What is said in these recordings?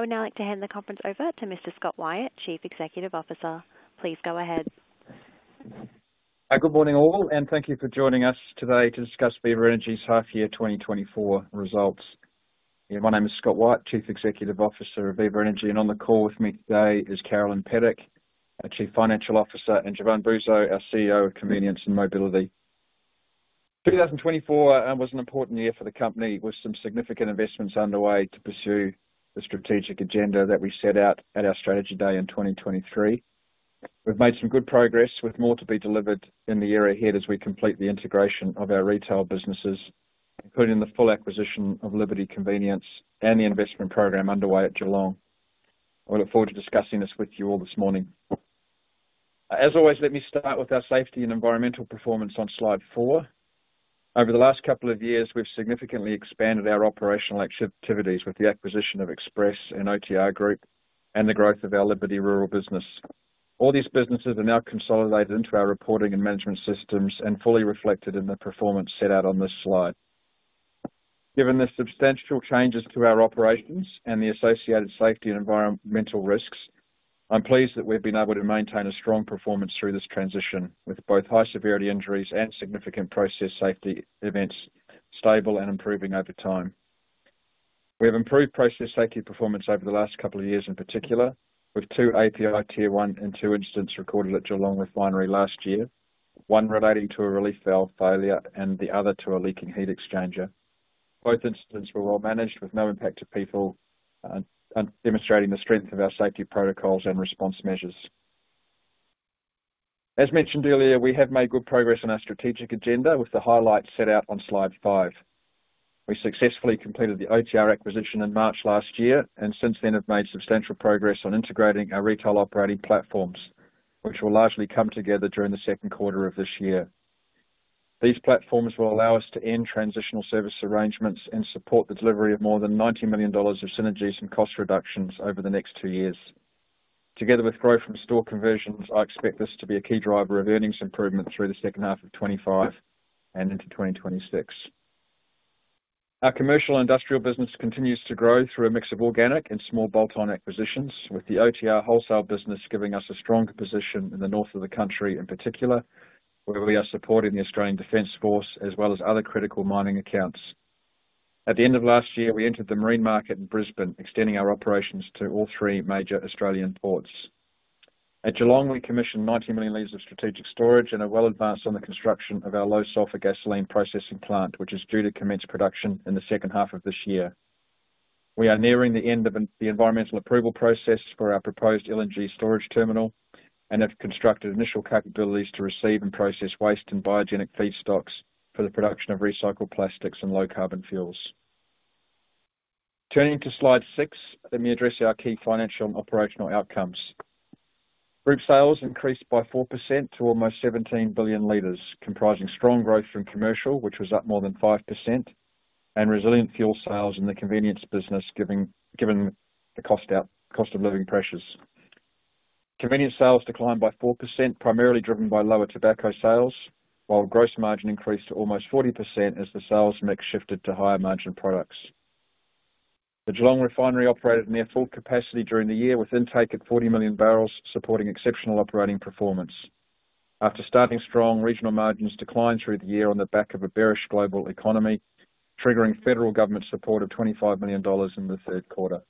I would now like to hand the conference over to Mr. Scott Wyatt, Chief Executive Officer. Please go ahead. Good morning, all, and thank you for joining us today to discuss Viva Energy's half-year 2024 results. My name is Scott Wyatt, Chief Executive Officer of Viva Energy, and on the call with me today is Carolyn Pedic, Chief Financial Officer, and Jevan Bouzo, our CEO of Convenience and Mobility. 2024 was an important year for the company, with some significant investments underway to pursue the strategic agenda that we set out at our strategy day in 2023. We've made some good progress, with more to be delivered in the year ahead as we complete the integration of our retail businesses, including the full acquisition of Liberty Convenience and the investment program underway at Geelong. I look forward to discussing this with you all this morning. As always, let me start with our safety and environmental performance on slide four. Over the last couple of years, we've significantly expanded our operational activities with the acquisition of Express and OTR Group and the growth of our Liberty Rural business. All these businesses are now consolidated into our reporting and management systems and fully reflected in the performance set out on this slide. Given the substantial changes to our operations and the associated safety and environmental risks, I'm pleased that we've been able to maintain a strong performance through this transition, with both high-severity injuries and significant process safety events stable and improving over time. We have improved process safety performance over the last couple of years, in particular, with two API Tier 1 and 2 incidents recorded at Geelong Refinery last year, one relating to a relief valve failure and the other to a leaking heat exchanger. Both incidents were well managed, with no impact to people, demonstrating the strength of our safety protocols and response measures. As mentioned earlier, we have made good progress on our strategic agenda, with the highlights set out on slide five. We successfully completed the OTR acquisition in March last year and since then have made substantial progress on integrating our retail operating platforms, which will largely come together during the second quarter of this year. These platforms will allow us to end transitional service arrangements and support the delivery of more than 90 million dollars of synergies and cost reductions over the next two years. Together with growth from store conversions, I expect this to be a key driver of earnings improvement through the second half of 2025 and into 2026. Our Commercial and Industrial business continues to grow through a mix of organic and small bolt-on acquisitions, with the OTR wholesale business giving us a strong position in the north of the country, in particular, where we are supporting the Australian Defence Force as well as other critical mining accounts. At the end of last year, we entered the marine market in Brisbane, extending our operations to all three major Australian ports. At Geelong, we commissioned 90 million liters of strategic storage and are well advanced on the construction of our low sulphur gasoline processing plant, which is due to commence production in the second half of this year. We are nearing the end of the environmental approval process for our proposed LNG storage terminal and have constructed initial capabilities to receive and process waste and biogenic feedstocks for the production of recycled plastics and low carbon fuels. Turning to slide six, let me address our key financial and operational outcomes. Group sales increased by 4% to almost 17 billion liters, comprising strong growth from commercial, which was up more than 5%, and resilient fuel sales in the convenience business, given the cost of living pressures. Convenience sales declined by 4%, primarily driven by lower tobacco sales, while gross margin increased to almost 40% as the sales mix shifted to higher margin products. The Geelong Refinery operated near full capacity during the year, with intake at 40 million barrels, supporting exceptional operating performance. After starting strong, regional margins declined through the year on the back of a bearish global economy, triggering federal government support of 25 million dollars in the third quarter.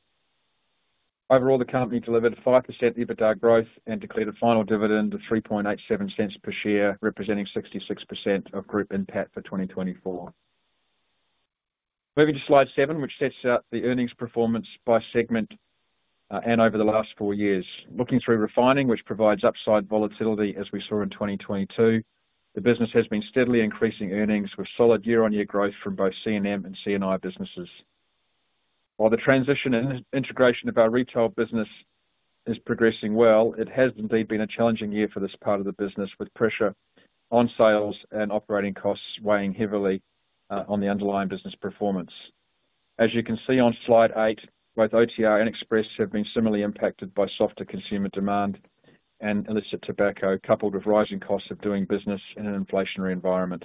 Overall, the company delivered 5% EBITDA growth and declared a final dividend of 0.0387 per share, representing 66% of group NPAT for 2024. Moving to slide seven, which sets out the earnings performance by segment and over the last four years. Looking through refining, which provides upside volatility as we saw in 2022, the business has been steadily increasing earnings, with solid year-on-year growth from both C&M and C&I businesses. While the transition and integration of our retail business is progressing well, it has indeed been a challenging year for this part of the business, with pressure on sales and operating costs weighing heavily on the underlying business performance. As you can see on slide eight, both OTR and Express have been similarly impacted by softer consumer demand and illicit tobacco, coupled with rising costs of doing business in an inflationary environment.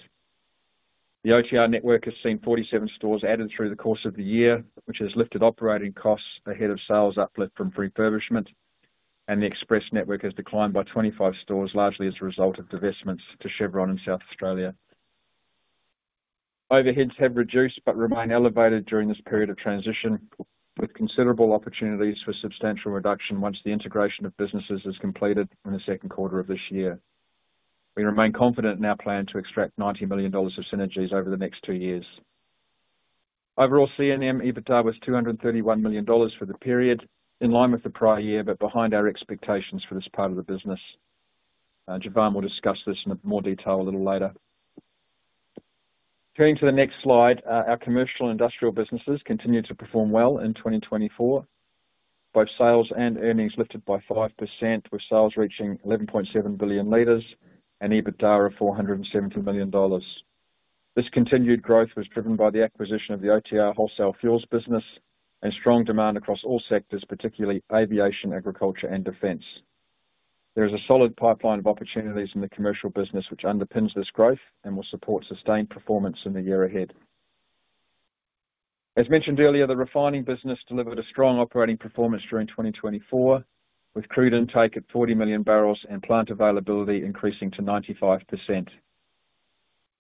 The OTR network has seen 47 stores added through the course of the year, which has lifted operating costs ahead of sales uplift from refurbishment, and the Express network has declined by 25 stores, largely as a result of divestments to Chevron in South Australia. Overheads have reduced but remain elevated during this period of transition, with considerable opportunities for substantial reduction once the integration of businesses is completed in the second quarter of this year. We remain confident in our plan to extract 90 million dollars of synergies over the next two years. Overall, C&M EBITDA was 231 million dollars for the period, in line with the prior year but behind our expectations for this part of the business. Jevan will discuss this in more detail a little later. Turning to the next slide, our Commercial and Industrial businesses continue to perform well in 2024. Both sales and earnings lifted by 5%, with sales reaching 11.7 billion liters and EBITDA of 470 million dollars. This continued growth was driven by the acquisition of the OTR wholesale fuels business and strong demand across all sectors, particularly aviation, agriculture, and defence. There is a solid pipeline of opportunities in the commercial business, which underpins this growth and will support sustained performance in the year ahead. As mentioned earlier, the refining business delivered a strong operating performance during 2024, with crude intake at 40 million barrels and plant availability increasing to 95%.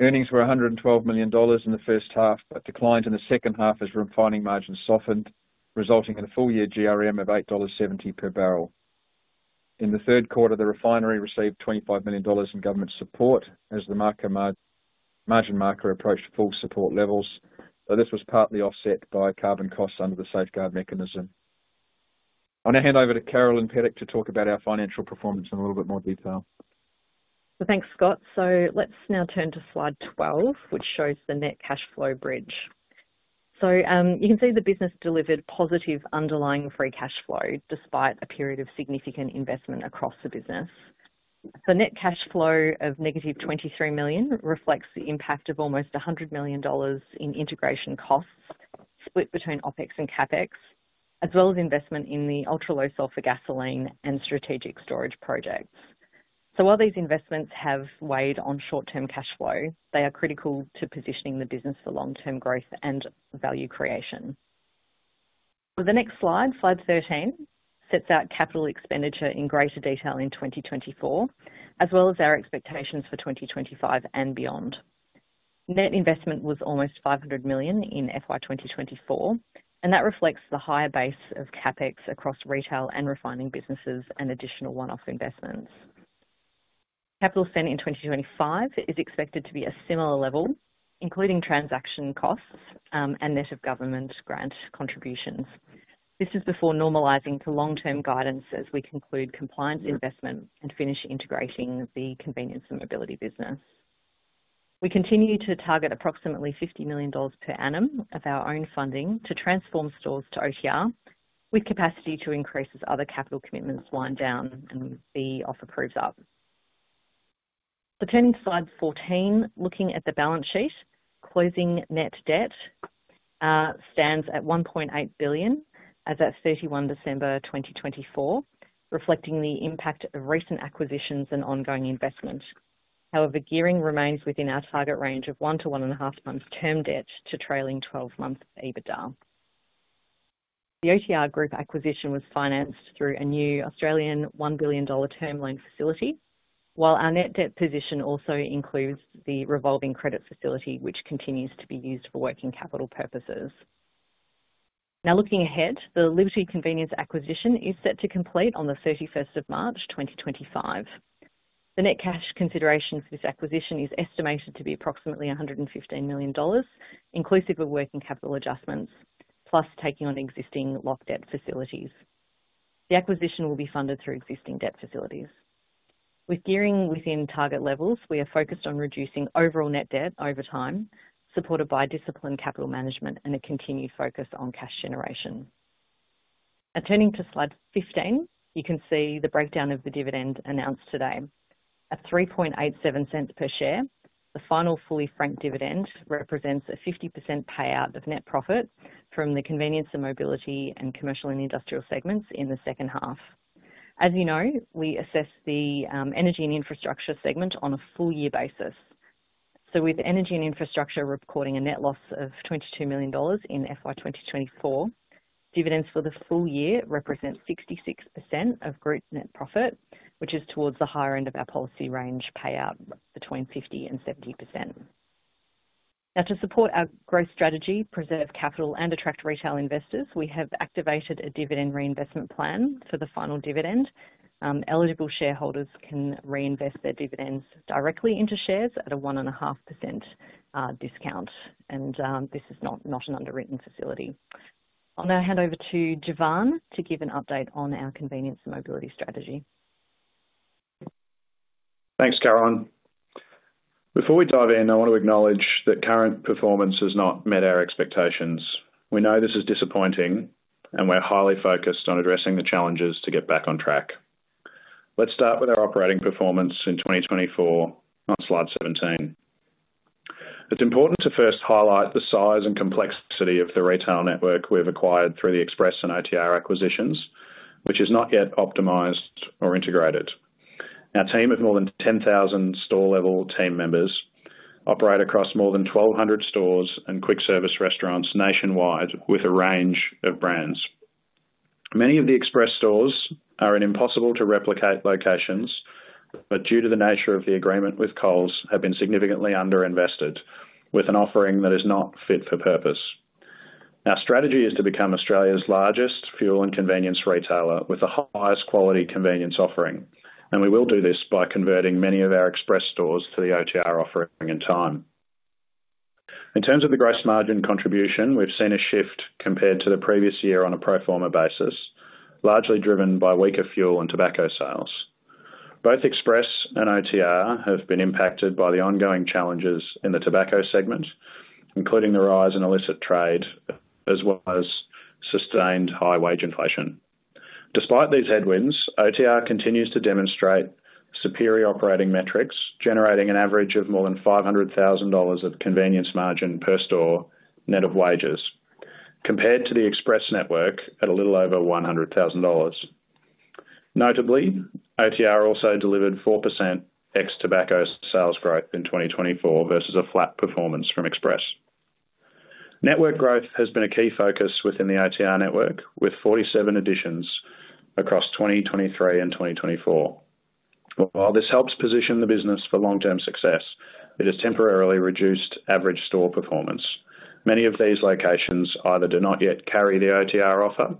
Earnings were 112 million dollars in the first half but declined in the second half as refining margins softened, resulting in a full-year GRM of 8.70 dollars per barrel. In the third quarter, the refinery received 25 million dollars in government support as the margin marker approached full support levels, though this was partly offset by carbon costs under the Safeguard Mechanism. I'm going to hand over to Carolyn Pedic to talk about our financial performance in a little bit more detail. So thanks, Scott. So let's now turn to slide 12, which shows the net cash flow bridge. So you can see the business delivered positive underlying free cash flow despite a period of significant investment across the business. The net cash flow of negative 23 million reflects the impact of almost 100 million dollars in integration costs split between OpEx and CapEx, as well as investment in the Ultra-Low Sulphur Gasoline and strategic storage projects. So while these investments have weighed on short-term cash flow, they are critical to positioning the business for long-term growth and value creation. The next slide, slide 13, sets out capital expenditure in greater detail in 2024, as well as our expectations for 2025 and beyond. Net investment was almost 500 million in FY 2024, and that reflects the higher base of CapEx across retail and refining businesses and additional one-off investments. Capital spent in 2025 is expected to be at a similar level, including transaction costs and net of government grant contributions. This is before normalising to long-term guidance as we conclude compliance investment and finish integrating the Convenience and Mobility business. We continue to target approximately 50 million dollars per annum of our own funding to transform stores to OTR, with capacity to increase as other capital commitments wind down and the offer proves up. Turning to slide 14, looking at the balance sheet, closing net debt stands at 1.8 billion as at 31 December 2024, reflecting the impact of recent acquisitions and ongoing investment. However, gearing remains within our target range of 1x to 1.5x term debt to trailing 12-month EBITDA. The OTR Group acquisition was financed through a new 1 billion Australian dollars term loan facility, while our net debt position also includes the revolving credit facility, which continues to be used for working capital purposes. Now looking ahead, the Liberty Convenience acquisition is set to complete on the 31st of March 2025. The net cash consideration for this acquisition is estimated to be approximately 115 million dollars, inclusive of working capital adjustments, plus taking on existing locked debt facilities. The acquisition will be funded through existing debt facilities. With gearing within target levels, we are focused on reducing overall net debt over time, supported by disciplined capital management and a continued focus on cash generation. Now turning to slide 15, you can see the breakdown of the dividend announced today. At 0.0387 per share, the final fully franked dividend represents a 50% payout of net profit from the Convenience and Mobility and Commercial and Industrial segments in the second half. As you know, we assess the Energy and Infrastructure segment on a full-year basis. So with Energy and Infrastructure recording a net loss of AUD 22 million in FY 2024, dividends for the full year represent 66% of group net profit, which is towards the higher end of our policy range payout between 50% and 70%. Now, to support our growth strategy, preserve capital, and attract retail investors, we have activated a Dividend Reinvestment Plan for the final dividend. Eligible shareholders can reinvest their dividends directly into shares at a 1.5% discount, and this is not an underwritten facility. I'll now hand over to Jevan to give an update on our Convenience and Mobility strategy. Thanks, Carolyn. Before we dive in, I want to acknowledge that current performance has not met our expectations. We know this is disappointing, and we're highly focused on addressing the challenges to get back on track. Let's start with our operating performance in 2024 on slide 17. It's important to first highlight the size and complexity of the retail network we've acquired through the Express and OTR acquisitions, which is not yet optimized or integrated. Our team of more than 10,000 store-level team members operate across more than 1,200 stores and quick-service restaurants nationwide with a range of brands. Many of the Express stores are in impossible-to-replicate locations, but due to the nature of the agreement with Coles, have been significantly underinvested, with an offering that is not fit for purpose. Our strategy is to become Australia's largest fuel and convenience retailer with the highest quality convenience offering, and we will do this by converting many of our Express stores to the OTR offering in time. In terms of the gross margin contribution, we've seen a shift compared to the previous year on a pro forma basis, largely driven by weaker fuel and tobacco sales. Both Express and OTR have been impacted by the ongoing challenges in the tobacco segment, including the rise in illicit trade as well as sustained high wage inflation. Despite these headwinds, OTR continues to demonstrate superior operating metrics, generating an average of more than 500,000 dollars of convenience margin per store net of wages, compared to the Express network at a little over 100,000 dollars. Notably, OTR also delivered 4% ex-tobacco sales growth in 2024 versus a flat performance from Express. Network growth has been a key focus within the OTR network, with 47 additions across 2023 and 2024. While this helps position the business for long-term success, it has temporarily reduced average store performance. Many of these locations either do not yet carry the OTR offer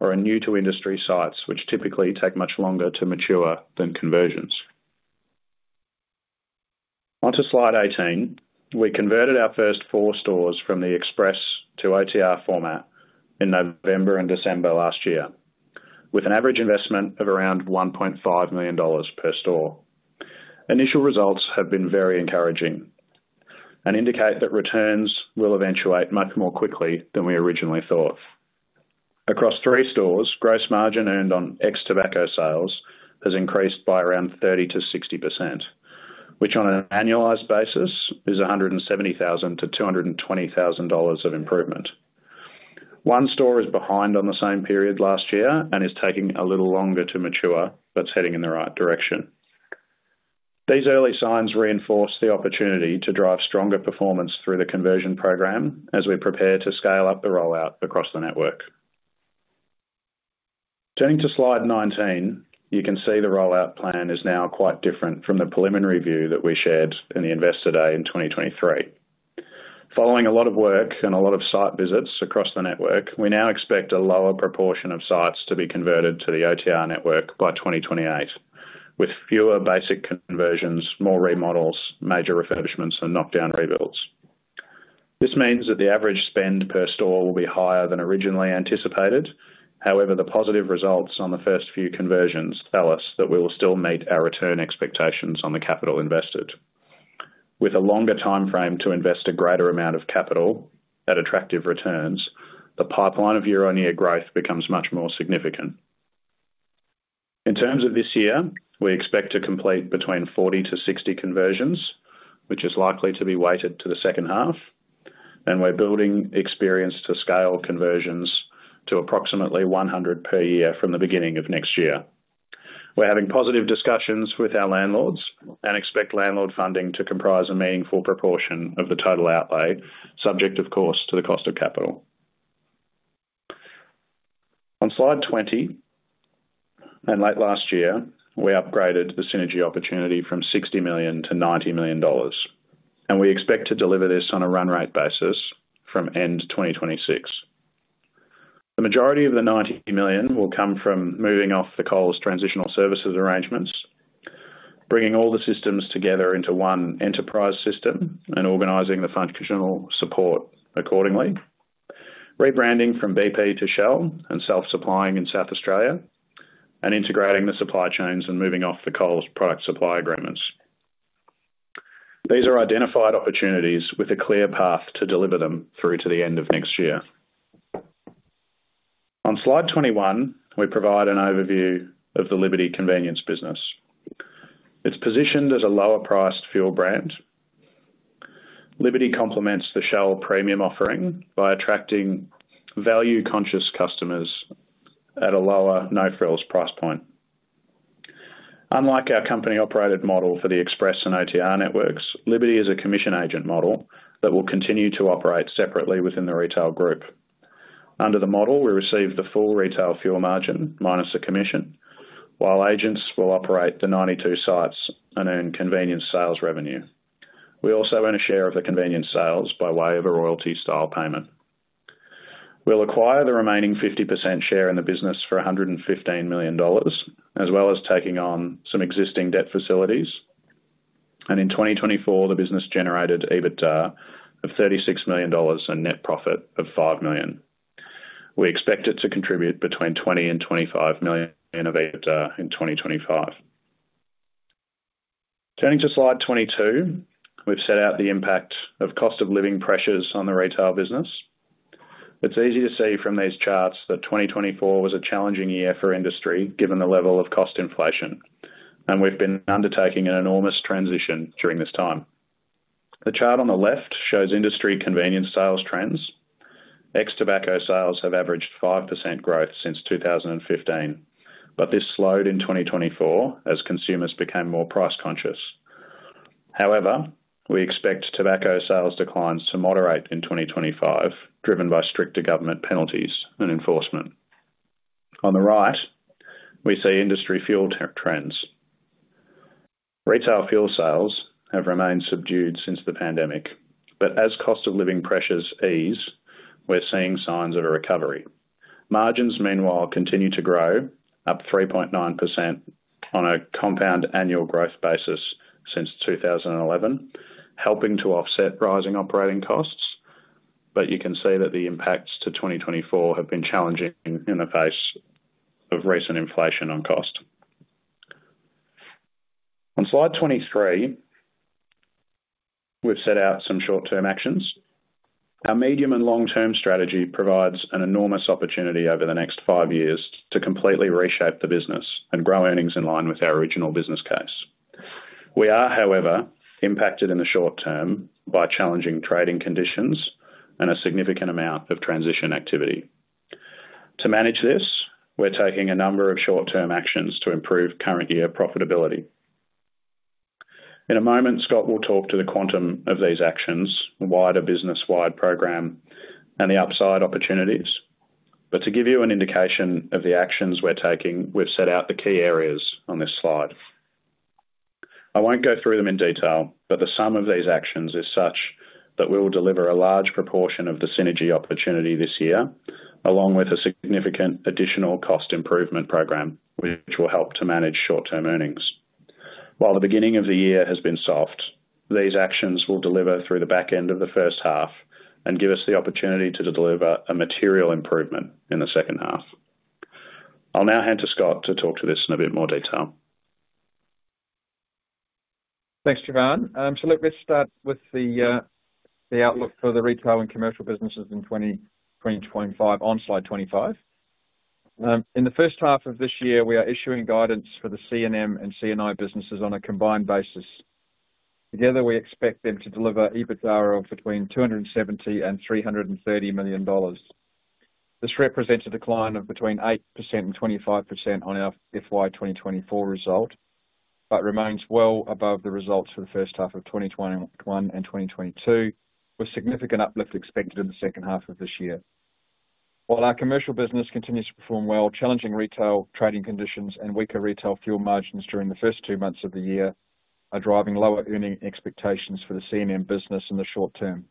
or are new-to-industry sites, which typically take much longer to mature than conversions. Onto slide 18. We converted our first four stores from the Express to OTR format in November and December last year, with an average investment of around 1.5 million dollars per store. Initial results have been very encouraging and indicate that returns will eventuate much more quickly than we originally thought. Across three stores, gross margin earned on ex-tobacco sales has increased by around 30%-60%, which on an annualized basis is 170,000-220,000 dollars of improvement. One store is behind on the same period last year and is taking a little longer to mature, but it's heading in the right direction. These early signs reinforce the opportunity to drive stronger performance through the conversion program as we prepare to scale up the rollout across the network. Turning to slide 19, you can see the rollout plan is now quite different from the preliminary view that we shared in the Investor Day in 2023. Following a lot of work and a lot of site visits across the network, we now expect a lower proportion of sites to be converted to the OTR network by 2028, with fewer basic conversions, more remodels, major refurbishments, and knockdown rebuilds. This means that the average spend per store will be higher than originally anticipated. However, the positive results on the first few conversions tell us that we will still meet our return expectations on the capital invested. With a longer timeframe to invest a greater amount of capital at attractive returns, the pipeline of year-on-year growth becomes much more significant. In terms of this year, we expect to complete between 40 to 60 conversions, which is likely to be weighted to the second half, and we're building experience to scale conversions to approximately 100 per year from the beginning of next year. We're having positive discussions with our landlords and expect landlord funding to comprise a meaningful proportion of the total outlay, subject, of course, to the cost of capital. On slide 20, and late last year, we upgraded the synergy opportunity from 60 million to 90 million dollars, and we expect to deliver this on a run rate basis from end 2026. The majority of the 90 million will come from moving off the Coles transitional services arrangements, bringing all the systems together into one enterprise system and organizing the functional support accordingly, rebranding from BP to Shell and self-supplying in South Australia, and integrating the supply chains and moving off the Coles product supply agreements. These are identified opportunities with a clear path to deliver them through to the end of next year. On slide 21, we provide an overview of the Liberty Convenience business. It's positioned as a lower-priced fuel brand. Liberty complements the Shell premium offering by attracting value-conscious customers at a lower no-frills price point. Unlike our company-operated model for the Express and OTR networks, Liberty is a commission agent model that will continue to operate separately within the retail group. Under the model, we receive the full retail fuel margin minus the commission, while agents will operate the 92 sites and earn convenience sales revenue. We also earn a share of the convenience sales by way of a royalty-style payment. We'll acquire the remaining 50% share in the business for 115 million dollars, as well as taking on some existing debt facilities and in 2024, the business generated EBITDA of 36 million dollars and net profit of 5 million. We expect it to contribute between 20 million and 25 million of EBITDA in 2025. Turning to slide 22, we've set out the impact of cost of living pressures on the retail business. It's easy to see from these charts that 2024 was a challenging year for industry given the level of cost inflation, and we've been undertaking an enormous transition during this time. The chart on the left shows industry convenience sales trends. Ex-tobacco sales have averaged 5% growth since 2015, but this slowed in 2024 as consumers became more price-conscious. However, we expect tobacco sales declines to moderate in 2025, driven by stricter government penalties and enforcement. On the right, we see industry fuel trends. Retail fuel sales have remained subdued since the pandemic, but as cost of living pressures ease, we're seeing signs of a recovery. Margins, meanwhile, continue to grow, up 3.9% on a compound annual growth basis since 2011, helping to offset rising operating costs. But you can see that the impacts to 2024 have been challenging in the face of recent inflation on cost. On slide 23, we've set out some short-term actions. Our medium and long-term strategy provides an enormous opportunity over the next five years to completely reshape the business and grow earnings in line with our original business case. We are, however, impacted in the short term by challenging trading conditions and a significant amount of transition activity. To manage this, we're taking a number of short-term actions to improve current year profitability. In a moment, Scott will talk to the quantum of these actions, the wider business-wide program, and the upside opportunities. But to give you an indication of the actions we're taking, we've set out the key areas on this slide. I won't go through them in detail, but the sum of these actions is such that we will deliver a large proportion of the synergy opportunity this year, along with a significant additional cost improvement program, which will help to manage short-term earnings. While the beginning of the year has been soft, these actions will deliver through the back end of the first half and give us the opportunity to deliver a material improvement in the second half. I'll now hand to Scott to talk to this in a bit more detail. Thanks, Jevan. So look, let's start with the outlook for the retail and commercial businesses in 2025 on slide 25. In the first half of this year, we are issuing guidance for the C&M and C&I businesses on a combined basis. Together, we expect them to deliver EBITDA of between 270 million and 330 million dollars. This represents a decline of between 8% and 25% on our FY 2024 result, but remains well above the results for the first half of 2021 and 2022, with significant uplift expected in the second half of this year. While our commercial business continues to perform well, challenging retail trading conditions and weaker retail fuel margins during the first two months of the year are driving lower earning expectations for the C&M business in the short term.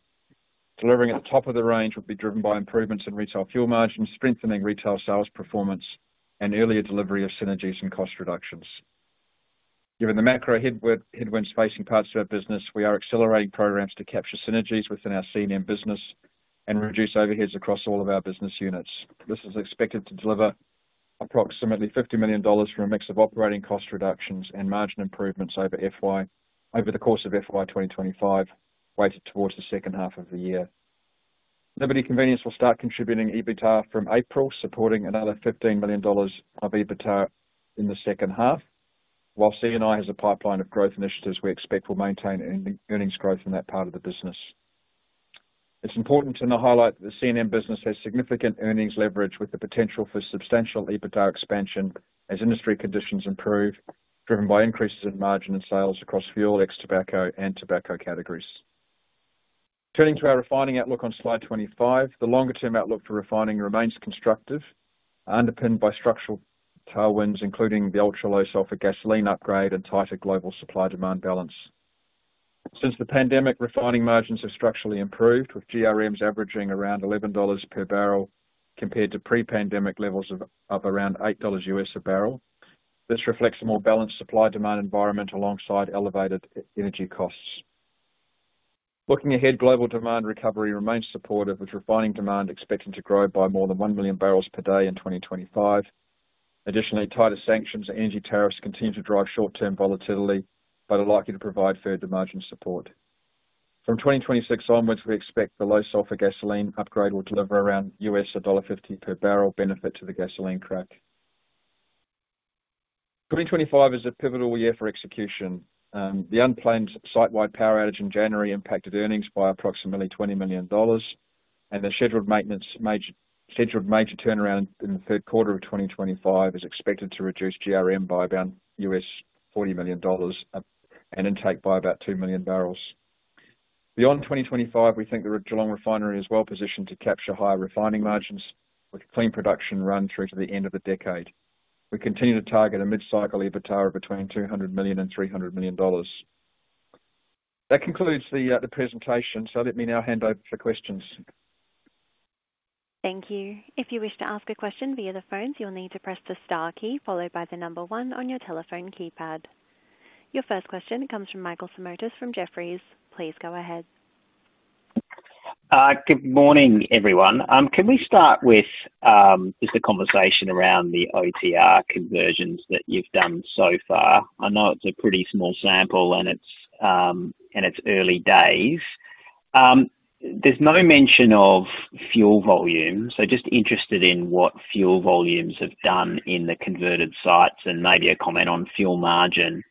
Delivering at the top of the range would be driven by improvements in retail fuel margins, strengthening retail sales performance, and earlier delivery of synergies and cost reductions. Given the macro headwinds facing parts of our business, we are accelerating programs to capture synergies within our C&M business and reduce overheads across all of our business units. This is expected to deliver approximately 50 million dollars from a mix of operating cost reductions and margin improvements over the course of FY 2025, weighted towards the second half of the year. Liberty Convenience will start contributing EBITDA from April, supporting another 15 million dollars of EBITDA in the second half, while C&I has a pipeline of growth initiatives we expect will maintain earnings growth in that part of the business. It's important to highlight that the C&M business has significant earnings leverage with the potential for substantial EBITDA expansion as industry conditions improve, driven by increases in margin and sales across fuel, ex-tobacco, and tobacco categories. Turning to our refining outlook on slide 25, the longer-term outlook for refining remains constructive, underpinned by structural tailwinds, including the Ultra-Low Sulphur Gasoline upgrade and tighter global supply-demand balance. Since the pandemic, refining margins have structurally improved, with GRMs averaging around 11 dollars per barrel compared to pre-pandemic levels of around $8 a barrel. This reflects a more balanced supply-demand environment alongside elevated energy costs. Looking ahead, global demand recovery remains supportive, with refining demand expecting to grow by more than 1 million barrels per day in 2025. Additionally, tighter sanctions and energy tariffs continue to drive short-term volatility but are likely to provide further margin support. From 2026 onwards, we expect the Low Sulphur Gasoline upgrade will deliver around $1.50 per barrel benefit to the gasoline crack. 2025 is a pivotal year for execution. The unplanned site-wide power outage in January impacted earnings by approximately 20 million dollars, and the scheduled major turnaround in the third quarter of 2025 is expected to reduce GRM by about $40 million and intake by about 2 million barrels. Beyond 2025, we think the Geelong Refinery is well positioned to capture higher refining margins with a clean production run through to the end of the decade. We continue to target a mid-cycle EBITDA of between 200 million and 300 million dollars. That concludes the presentation, so let me now hand over for questions. Thank you. If you wish to ask a question via the phone, you'll need to press the star key followed by the number one on your telephone keypad. Your first question comes from Michael Simotas from Jefferies. Please go ahead. Good morning, everyone. Can we start with, is the conversation around the OTR conversions that you've done so far? I know it's a pretty small sample and it's early days. There's no mention of fuel volume, so just interested in what fuel volumes have done in the converted sites and maybe a comment on fuel margin.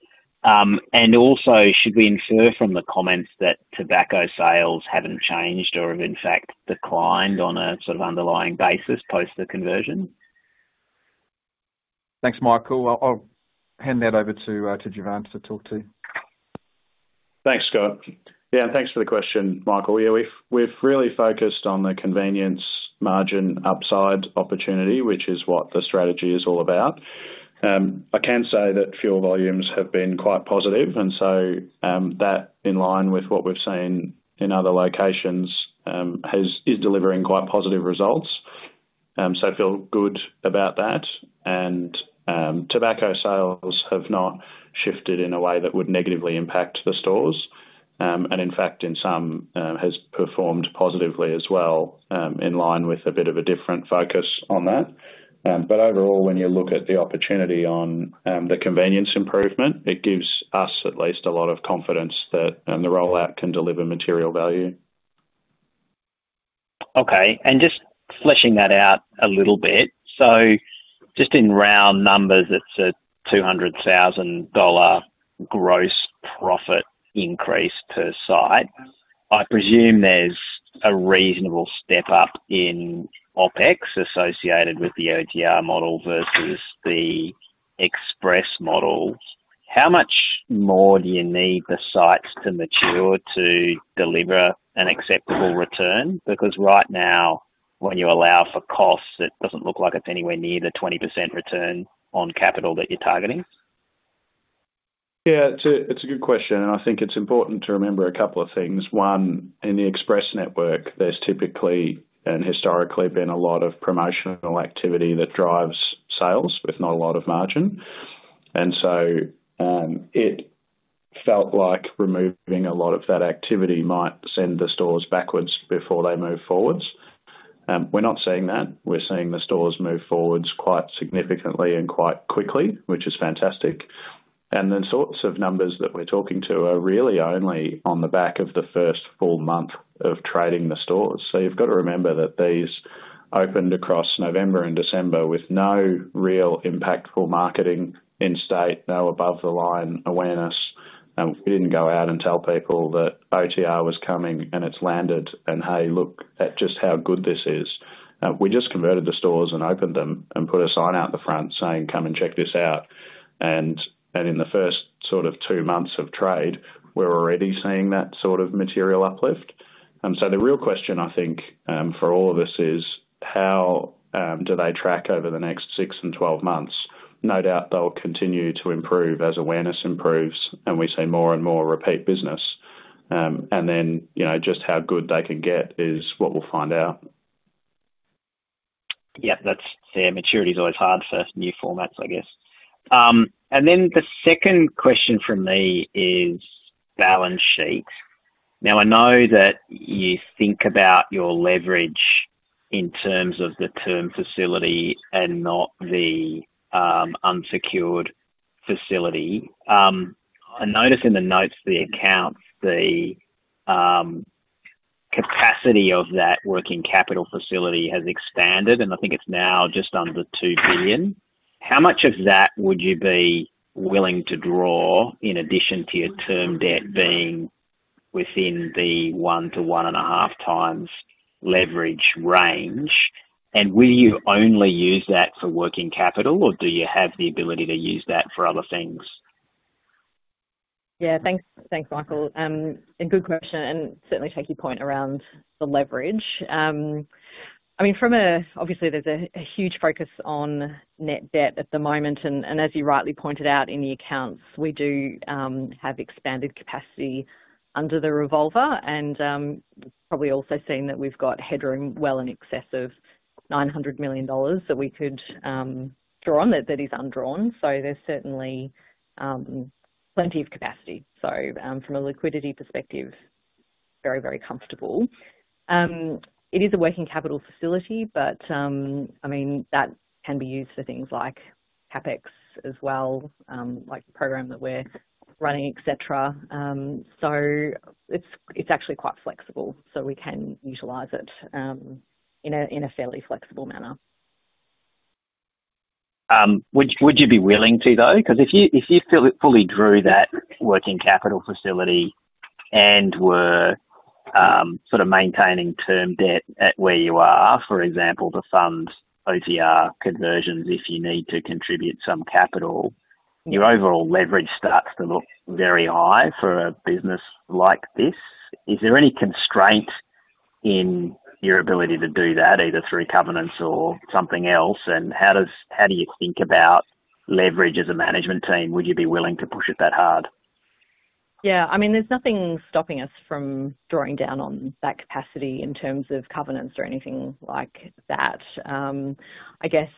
And also, should we infer from the comments that tobacco sales haven't changed or have, in fact, declined on a sort of underlying basis post the conversion? Thanks, Michael. I'll hand that over to Jevan to talk to. Thanks, Scott. Yeah, and thanks for the question, Michael. Yeah, we've really focused on the convenience margin upside opportunity, which is what the strategy is all about. I can say that fuel volumes have been quite positive, and so that, in line with what we've seen in other locations, is delivering quite positive results. So I feel good about that, and tobacco sales have not shifted in a way that would negatively impact the stores. And in fact, in some, has performed positively as well, in line with a bit of a different focus on that, but overall, when you look at the opportunity on the convenience improvement, it gives us at least a lot of confidence that the rollout can deliver material value. Okay. And just fleshing that out a little bit, so just in round numbers, it's 200,000 dollar gross profit increase per site. I presume there's a reasonable step up in OpEx associated with the OTR model versus the Express model. How much more do you need the sites to mature to deliver an acceptable return? Because right now, when you allow for costs, it doesn't look like it's anywhere near the 20% return on capital that you're targeting. Yeah, it's a good question, and I think it's important to remember a couple of things. One, in the Express network, there's typically and historically been a lot of promotional activity that drives sales with not a lot of margin. And so it felt like removing a lot of that activity might send the stores backwards before they move forwards. We're not seeing that. We're seeing the stores move forwards quite significantly and quite quickly, which is fantastic. And the sorts of numbers that we're talking to are really only on the back of the first full month of trading the stores. So you've got to remember that these opened across November and December with no real impactful marketing in state, no above-the-line awareness. We didn't go out and tell people that OTR was coming and it's landed and, "Hey, look at just how good this is." We just converted the stores and opened them and put a sign out the front saying, "Come and check this out." And in the first sort of two months of trade, we're already seeing that sort of material uplift. So the real question, I think, for all of us is, how do they track over the next six and 12 months? No doubt they'll continue to improve as awareness improves and we see more and more repeat business. And then just how good they can get is what we'll find out. Yeah, that's fair. Maturity is always hard for new formats, I guess. And then the second question for me is balance sheet. Now, I know that you think about your leverage in terms of the term facility and not the unsecured facility. I notice in the notes, the accounts, the capacity of that working capital facility has expanded, and I think it's now just under 2 billion. How much of that would you be willing to draw in addition to your term debt being within the one to one and a half times leverage range? And will you only use that for working capital, or do you have the ability to use that for other things? Yeah, thanks, Michael. A good question, and certainly take your point around the leverage. I mean, from a obviously, there's a huge focus on net debt at the moment. And as you rightly pointed out in the accounts, we do have expanded capacity under the revolver, and we've probably also seen that we've got headroom well in excess of 900 million dollars that we could draw on that is undrawn. So there's certainly plenty of capacity. So from a liquidity perspective, very, very comfortable. It is a working capital facility, but I mean, that can be used for things like CapEx as well, like the program that we're running, etc. So it's actually quite flexible, so we can utilize it in a fairly flexible manner. Would you be willing to, though? Because if you fully drew that working capital facility and were sort of maintaining term debt at where you are, for example, to fund OTR conversions if you need to contribute some capital, your overall leverage starts to look very high for a business like this. Is there any constraint in your ability to do that, either through covenants or something else? And how do you think about leverage as a management team? Would you be willing to push it that hard? Yeah. I mean, there's nothing stopping us from drawing down on that capacity in terms of covenants or anything like that. I guess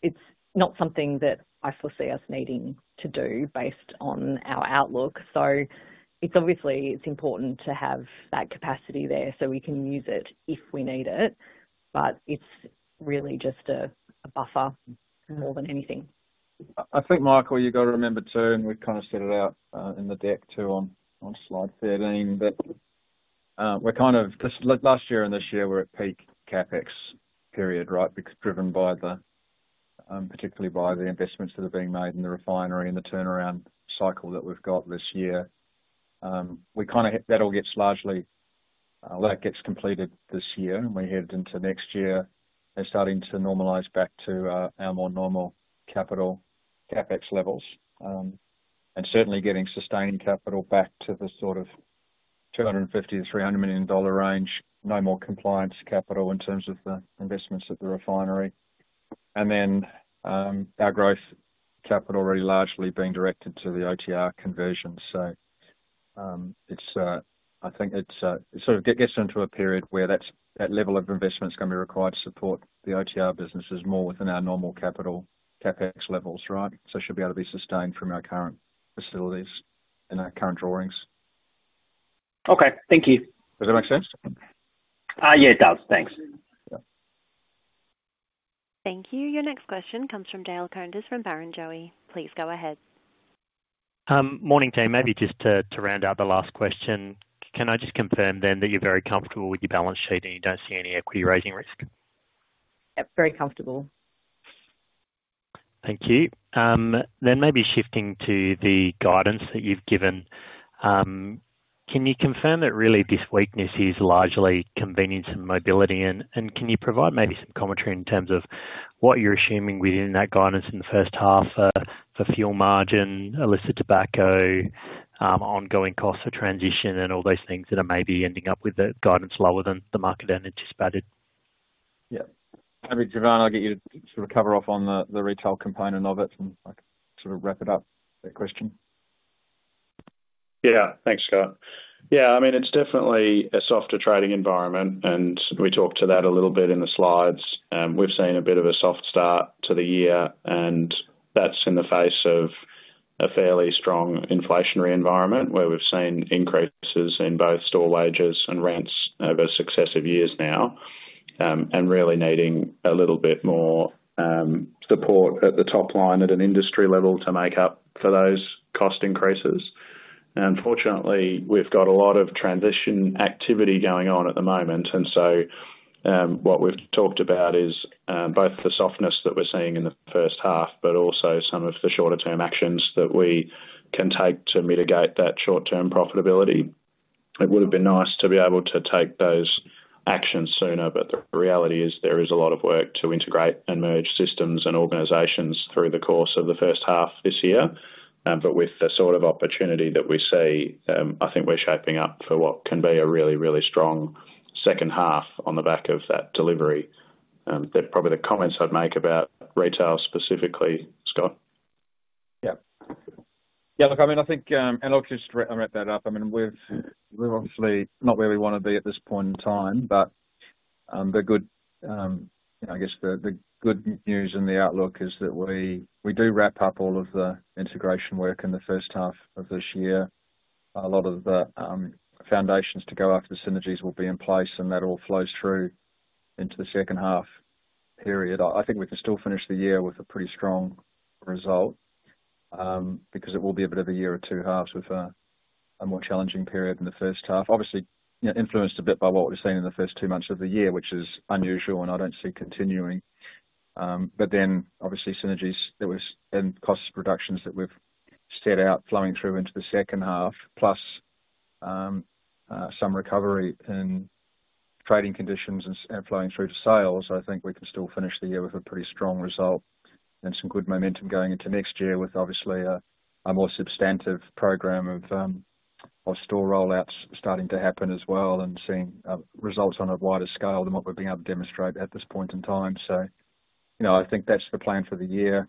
it's not something that I foresee us needing to do based on our outlook. So obviously, it's important to have that capacity there so we can use it if we need it, but it's really just a buffer more than anything. I think, Michael, you've got to remember too, and we've kind of set it out in the deck too on slide 13, that we're kind of last year and this year, we're at peak CapEx period, right, driven particularly by the investments that are being made in the refinery and the turnaround cycle that we've got this year. That all gets largely completed this year, and we head into next year and starting to normalize back to our more normal capital CapEx levels. And certainly getting sustaining capital back to the sort of 250 million-300 million dollar range, no more compliance capital in terms of the investments at the refinery. And then our growth capital already largely being directed to the OTR conversion. I think it sort of gets into a period where that level of investment is going to be required to support the OTR businesses more within our normal capital CapEx levels, right? It should be able to be sustained from our current facilities and our current drawings. Okay. Thank you. Does that make sense? Yeah, it does. Thanks. Thank you. Your next question comes from Dale Koenders from Barrenjoey. Please go ahead. Morning, team. Maybe just to round out the last question, can I just confirm then that you're very comfortable with your balance sheet and you don't see any equity raising risk? Yep, very comfortable. Thank you. Then maybe shifting to the guidance that you've given, can you confirm that really this weakness is largely convenience and mobility? And can you provide maybe some commentary in terms of what you're assuming within that guidance in the first half for fuel margin, illicit tobacco, ongoing costs of transition, and all those things that are maybe ending up with the guidance lower than the market anticipated? Yeah. Maybe Jevan, I'll get you to sort of cover off on the retail component of it and sort of wrap it up, that question. Yeah, thanks, Scott. Yeah, I mean, it's definitely a softer trading environment, and we talked to that a little bit in the slides. We've seen a bit of a soft start to the year, and that's in the face of a fairly strong inflationary environment where we've seen increases in both store wages and rents over successive years now and really needing a little bit more support at the top line at an industry level to make up for those cost increases. And fortunately, we've got a lot of transition activity going on at the moment. And so what we've talked about is both the softness that we're seeing in the first half, but also some of the shorter-term actions that we can take to mitigate that short-term profitability. It would have been nice to be able to take those actions sooner, but the reality is there is a lot of work to integrate and merge systems and organizations through the course of the first half this year, but with the sort of opportunity that we see, I think we're shaping up for what can be a really, really strong second half on the back of that delivery. Probably the comments I'd make about retail specifically, Scott. Yeah. Yeah, look, I mean, I think, and I'll just wrap that up. I mean, we're obviously not where we want to be at this point in time, but the good, I guess, the good news and the outlook is that we do wrap up all of the integration work in the first half of this year. A lot of the foundations to go after the synergies will be in place, and that all flows through into the second half period. I think we can still finish the year with a pretty strong result because it will be a bit of a year or two halves with a more challenging period in the first half. Obviously, influenced a bit by what we've seen in the first two months of the year, which is unusual, and I don't see continuing. But then, obviously, synergies and cost reductions that we've set out flowing through into the second half, plus some recovery in trading conditions and flowing through to sales, I think we can still finish the year with a pretty strong result and some good momentum going into next year with obviously a more substantive program of store rollouts starting to happen as well and seeing results on a wider scale than what we've been able to demonstrate at this point in time. So, I think that's the plan for the year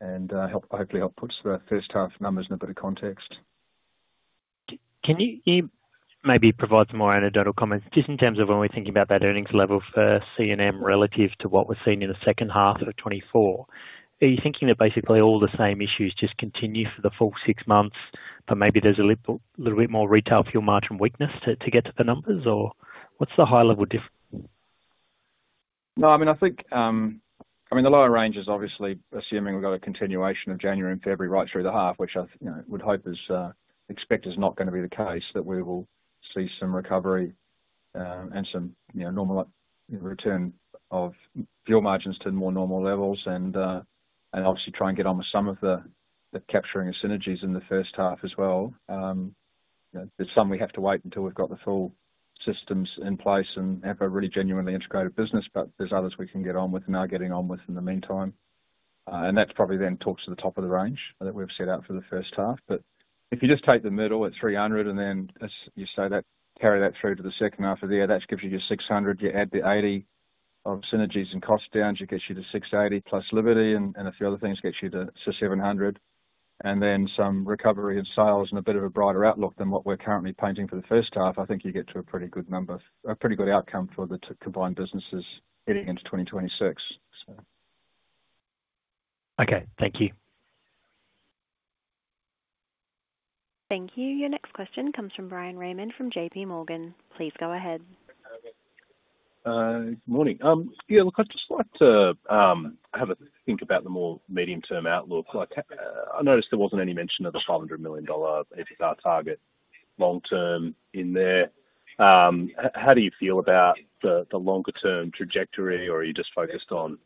and hopefully help put the first half numbers in a bit of context. Can you maybe provide some more anecdotal comments just in terms of when we're thinking about that earnings level for C&M relative to what we're seeing in the second half of 2024? Are you thinking that basically all the same issues just continue for the full six months, but maybe there's a little bit more retail fuel margin weakness to get to the numbers, or what's the high-level difference? No, I mean, I think, I mean, the lower range is obviously assuming we've got a continuation of January and February right through the half, which I would hope is not going to be the case, that we will see some recovery and some normal return of fuel margins to more normal levels and obviously try and get on with some of the capturing of synergies in the first half as well. There's some we have to wait until we've got the full systems in place and have a really genuinely integrated business, but there's others we can get on with and are getting on with in the meantime. And that probably then talks to the top of the range that we've set out for the first half. But if you just take the middle at 300 million and then you say that carry that through to the second half of the year, that gives you your 600 million. You add the 80 million of synergies and cost downs; it gets you to 680 million plus Liberty and a few other things gets you to 700 million. And then some recovery in sales and a bit of a brighter outlook than what we're currently painting for the first half. I think you get to a pretty good number, a pretty good outcome for the combined businesses heading into 2026. Okay. Thank you. Thank you. Your next question comes from Bryan Raymond from JPMorgan. Please go ahead. Good morning. Yeah, look, I'd just like to have a think about the more medium-term outlook. I noticed there wasn't any mention of a 500 million dollar EBITDA target long-term in there. How do you feel about the longer-term trajectory, or are you just focused on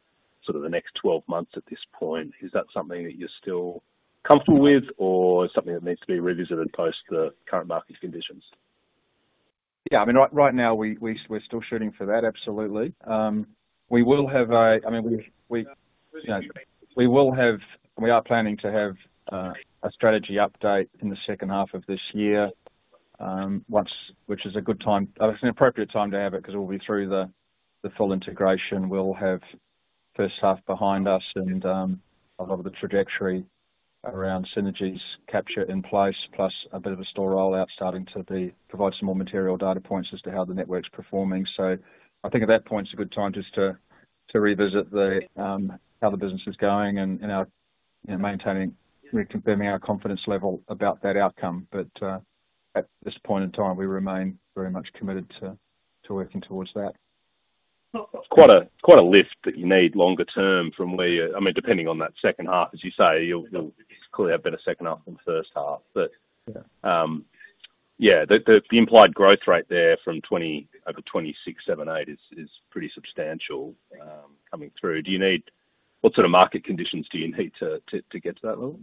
sort of the next 12 months at this point? Is that something that you're still comfortable with, or is it something that needs to be revisited post the current market conditions? Yeah, I mean, right now we're still shooting for that, absolutely. We will have a, I mean, we are planning to have a strategy update in the second half of this year, which is a good time, an appropriate time to have it because it will be through the full integration. We'll have the first half behind us and a lot of the trajectory around synergies capture in place, plus a bit of a store rollout starting to provide some more material data points as to how the network's performing. So I think at that point it's a good time just to revisit how the business is going and maintaining, confirming our confidence level about that outcome. But at this point in time, we remain very much committed to working towards that. Quite a lift that you need longer term from where? I mean, depending on that second half, as you say, you'll clearly have better second half than first half. But yeah, the implied growth rate there from over 2026, 2027, 2028 is pretty substantial coming through. What sort of market conditions do you need to get to that level?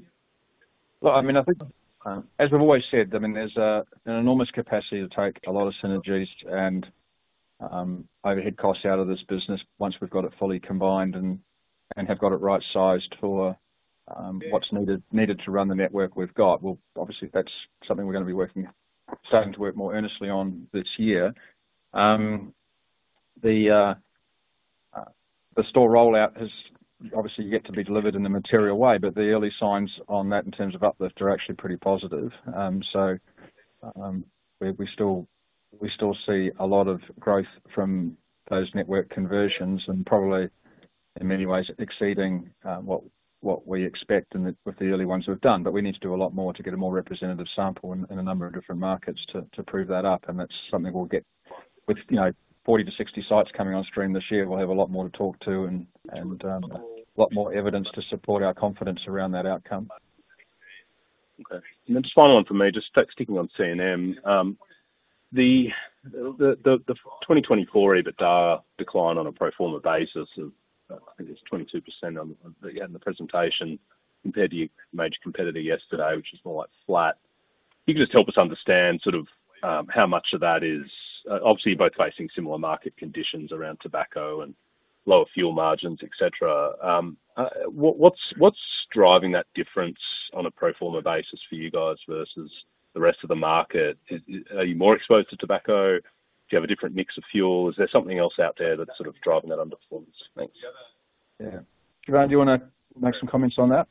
Well, I mean, I think as we've always said, I mean, there's an enormous capacity to take a lot of synergies and overhead costs out of this business once we've got it fully combined and have got it right-sized for what's needed to run the network we've got. Well, obviously, that's something we're going to be working, starting to work more earnestly on this year. The store rollout has obviously yet to be delivered in a material way, but the early signs on that in terms of uplift are actually pretty positive. So we still see a lot of growth from those network conversions and probably in many ways exceeding what we expect with the early ones we've done. But we need to do a lot more to get a more representative sample in a number of different markets to prove that up. That's something we'll get with 40-60 sites coming on stream this year. We'll have a lot more to talk to and a lot more evidence to support our confidence around that outcome. Okay. And then just final one for me, just sticking on C&M. The 2024 EBITDA decline on a pro-forma basis of, I think it's 22% in the presentation compared to your major competitor yesterday, which is more like flat. You can just help us understand sort of how much of that is. Obviously, you're both facing similar market conditions around tobacco and lower fuel margins, etc. What's driving that difference on a pro forma basis for you guys versus the rest of the market? Are you more exposed to tobacco? Do you have a different mix of fuel? Is there something else out there that's sort of driving that underperformance? Thanks. Yeah. Jevan, do you want to make some comments on that?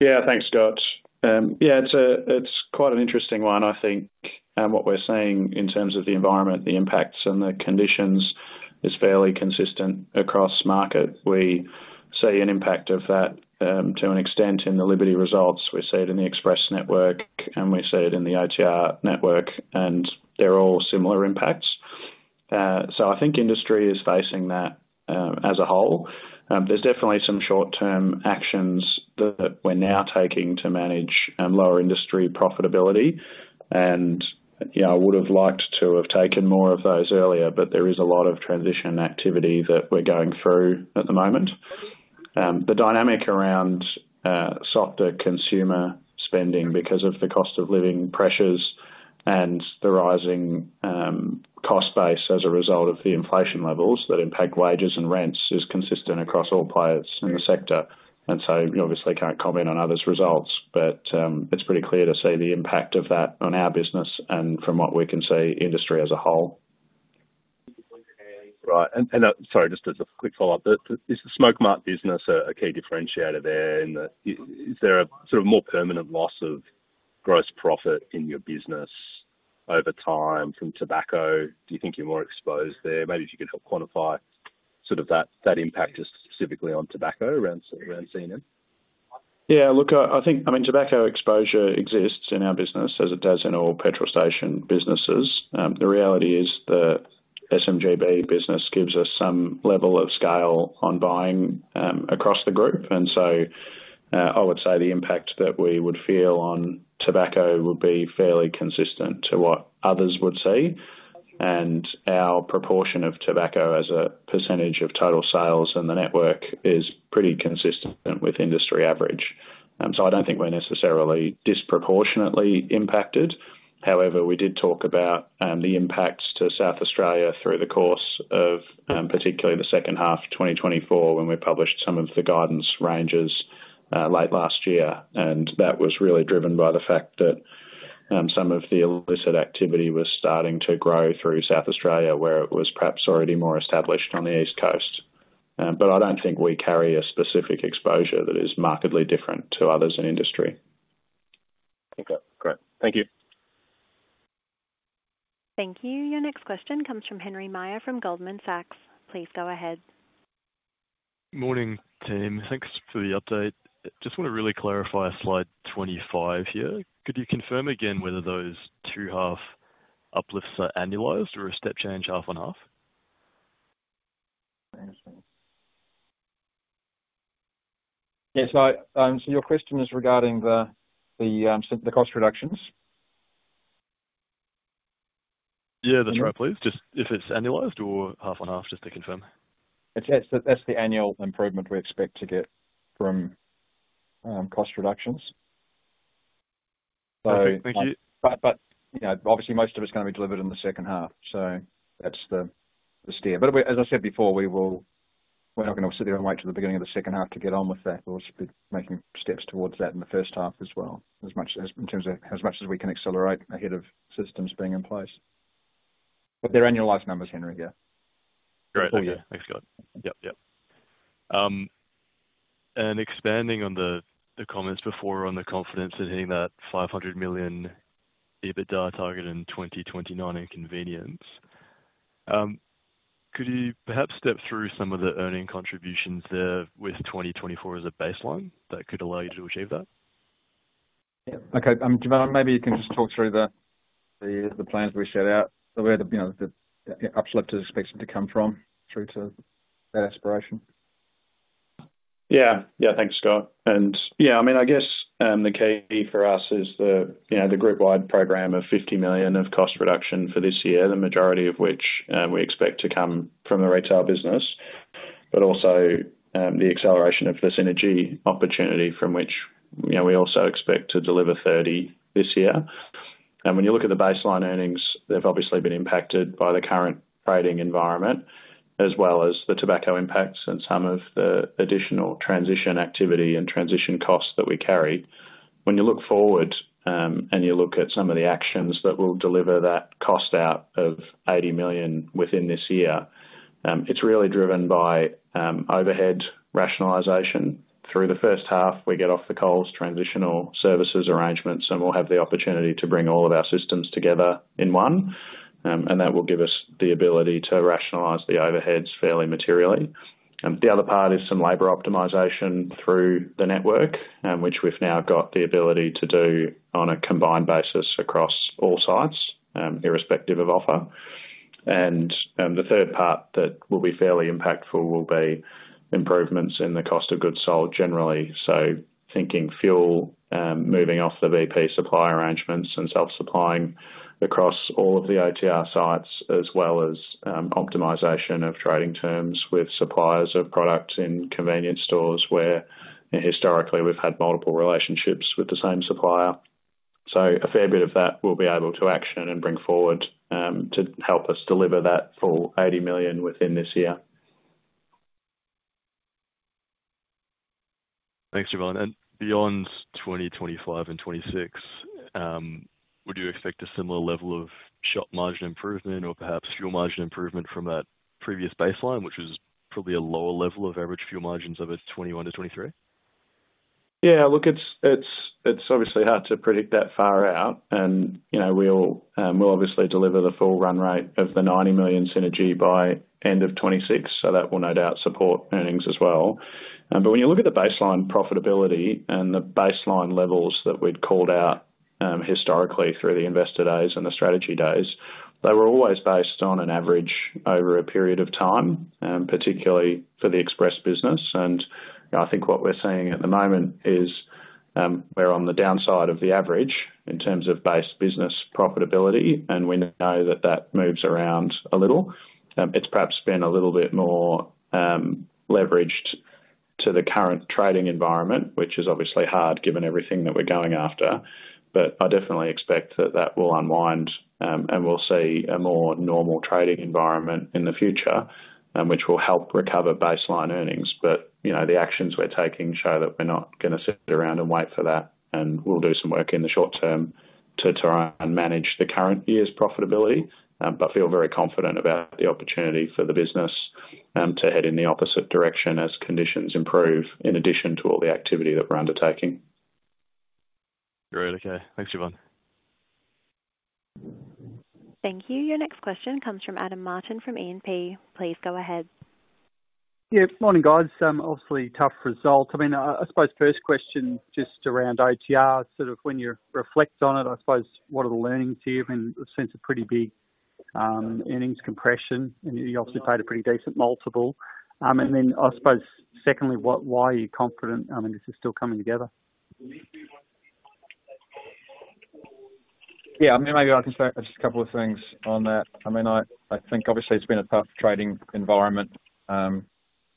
Yeah, thanks, Scott. Yeah, it's quite an interesting one. I think what we're seeing in terms of the environment, the impacts and the conditions is fairly consistent across market. We see an impact of that to an extent in the Liberty results. We see it in the Express network, and we see it in the OTR network, and they're all similar impacts, so I think industry is facing that as a whole. There's definitely some short-term actions that we're now taking to manage lower industry profitability, and I would have liked to have taken more of those earlier, but there is a lot of transition activity that we're going through at the moment. The dynamic around softer consumer spending because of the cost of living pressures and the rising cost base as a result of the inflation levels that impact wages and rents is consistent across all players in the sector. So you obviously can't comment on others' results, but it's pretty clear to see the impact of that on our business and from what we can see, industry as a whole. Right. Sorry, just as a quick follow-up, is the Smokemart business a key differentiator there? Is there a sort of more permanent loss of gross profit in your business over time from tobacco? Do you think you're more exposed there? Maybe if you could help quantify sort of that impact specifically on tobacco around C&M. Yeah, look, I think, I mean, tobacco exposure exists in our business as it does in all petrol station businesses. The reality is the SMGB business gives us some level of scale on buying across the group. And so I would say the impact that we would feel on tobacco would be fairly consistent to what others would see. And our proportion of tobacco as a percentage of total sales in the network is pretty consistent with industry average. So I don't think we're necessarily disproportionately impacted. However, we did talk about the impacts to South Australia through the course of particularly the second half of 2024 when we published some of the guidance ranges late last year. And that was really driven by the fact that some of the illicit activity was starting to grow through South Australia where it was perhaps already more established on the East Coast. But I don't think we carry a specific exposure that is markedly different to others in industry. Okay. Great. Thank you. Thank you. Your next question comes from Henry Meyer from Goldman Sachs. Please go ahead. Morning, team. Thanks for the update. Just want to really clarify slide 25 here. Could you confirm again whether those two half uplifts are annualized or a step change half on half? Yeah. So your question is regarding the cost reductions? Yeah, that's right, please. Just if it's annualized or half on half, just to confirm. That's the annual improvement we expect to get from cost reductions. Okay. Thank you. But obviously, most of it's going to be delivered in the second half. So that's the steer. But as I said before, we're not going to sit there and wait till the beginning of the second half to get on with that. We'll be making steps towards that in the first half as well, in terms of as much as we can accelerate ahead of systems being in place. But they're annualized numbers, Henry, yeah. Great. Thanks, Scott. Yep, yep. And expanding on the comments before on the confidence in hitting that 500 million EBITDA target in 2029 and convenience, could you perhaps step through some of the earnings contributions there with 2024 as a baseline that could allow you to achieve that? Yeah. Okay. Jevan, maybe you can just talk through the plans we set out, the way the uplift is expected to come from through to that aspiration. Yeah. Yeah. Thanks, Scott. And yeah, I mean, I guess the key for us is the group-wide program of 50 million of cost reduction for this year, the majority of which we expect to come from the retail business. But also the acceleration of the synergy opportunity from which we also expect to deliver 30 million this year. And when you look at the baseline earnings, they've obviously been impacted by the current trading environment as well as the tobacco impacts and some of the additional transition activity and transition costs that we carry. When you look forward and you look at some of the actions that will deliver that cost out of 80 million within this year, it's really driven by overhead rationalization. Through the first half, we get off the Coles, transitional services arrangements, and we'll have the opportunity to bring all of our systems together in one. That will give us the ability to rationalize the overheads fairly materially. The other part is some labor optimization through the network, which we've now got the ability to do on a combined basis across all sites irrespective of offer. The third part that will be fairly impactful will be improvements in the cost of goods sold generally. Thinking fuel, moving off the BP supply arrangements and self-supplying across all of the OTR sites as well as optimization of trading terms with suppliers of products in convenience stores where historically we've had multiple relationships with the same supplier. A fair bit of that we'll be able to action and bring forward to help us deliver that full 80 million within this year. Thanks, Jevan. Beyond 2025 and 2026, would you expect a similar level of shop margin improvement or perhaps fuel margin improvement from that previous baseline, which was probably a lower level of average fuel margins over 2021 to 2023? Yeah. Look, it's obviously hard to predict that far out. And we'll obviously deliver the full run rate of the 90 million synergy by end of 2026. So that will no doubt support earnings as well. But when you look at the baseline profitability and the baseline levels that we'd called out historically through the investor days and the strategy days, they were always based on an average over a period of time, particularly for the Express business. And I think what we're seeing at the moment is we're on the downside of the average in terms of base business profitability. And we know that that moves around a little. It's perhaps been a little bit more leveraged to the current trading environment, which is obviously hard given everything that we're going after. But I definitely expect that that will unwind and we'll see a more normal trading environment in the future, which will help recover baseline earnings. But the actions we're taking show that we're not going to sit around and wait for that. And we'll do some work in the short term to try and manage the current year's profitability, but feel very confident about the opportunity for the business to head in the opposite direction as conditions improve in addition to all the activity that we're undertaking. Great. Okay. Thanks, Jevan. Thank you. Your next question comes from Adam Martin from E&P. Please go ahead. Yeah. Good morning, guys. Obviously, tough result. I mean, I suppose first question just around OTR, sort of when you reflect on it, I suppose what are the learnings here? I mean, I sense a pretty big earnings compression and you obviously paid a pretty decent multiple. And then I suppose secondly, why are you confident? I mean, this is still coming together. Yeah. I mean, maybe I can say just a couple of things on that. I mean, I think obviously it's been a tough trading environment,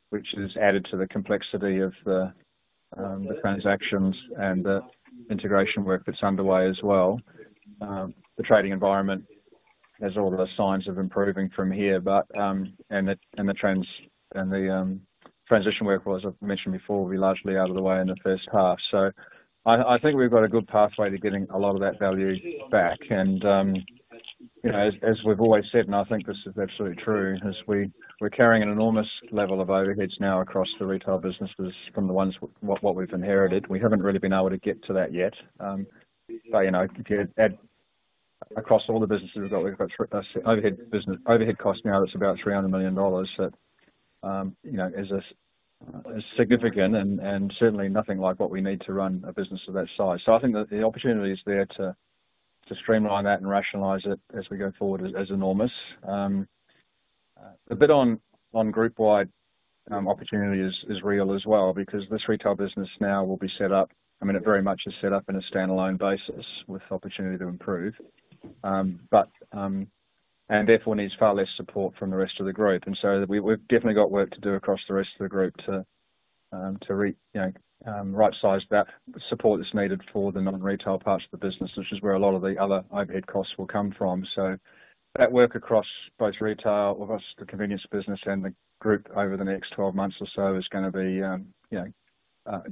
which has added to the complexity of the transactions and the integration work that's underway as well. The trading environment has all the signs of improving from here, but in the transition work, as I mentioned before, will be largely out of the way in the first half. So I think we've got a good pathway to getting a lot of that value back. And as we've always said, and I think this is absolutely true, is we're carrying an enormous level of overheads now across the retail businesses from the ones what we've inherited. We haven't really been able to get to that yet. But across all the businesses we've got, we've got overhead costs now that's about 300 million dollars. That is significant and certainly nothing like what we need to run a business of that size. So I think the opportunity is there to streamline that and rationalize it as we go forward, is enormous. The bit on group-wide opportunity is real as well because this retail business now will be set up, I mean, it very much is set up on a standalone basis with opportunity to improve, and therefore needs far less support from the rest of the group. And so we've definitely got work to do across the rest of the group to right-size that support that's needed for the non-retail parts of the business, which is where a lot of the other overhead costs will come from. So that work across both retail, across the convenience business and the group over the next 12 months or so is going to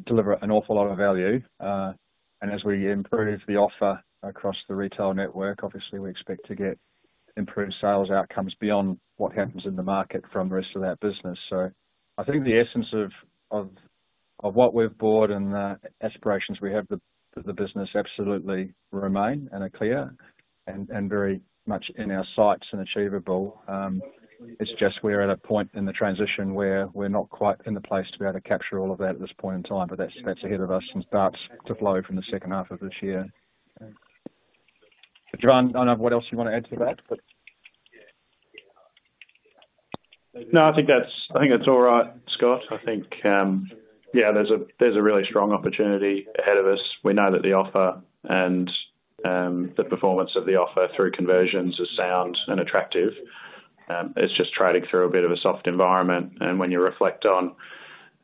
deliver an awful lot of value. And as we improve the offer across the retail network, obviously we expect to get improved sales outcomes beyond what happens in the market from the rest of that business. So I think the essence of what we've bought and the aspirations we have for the business absolutely remain and are clear and very much in our sights and achievable. It's just we're at a point in the transition where we're not quite in the place to be able to capture all of that at this point in time, but that's ahead of us and starts to flow from the second half of this year. Jevan, I don't know what else you want to add to that, but. No, I think that's all right, Scott. I think, yeah, there's a really strong opportunity ahead of us. We know that the offer and the performance of the offer through conversions is sound and attractive. It's just trading through a bit of a soft environment, and when you reflect on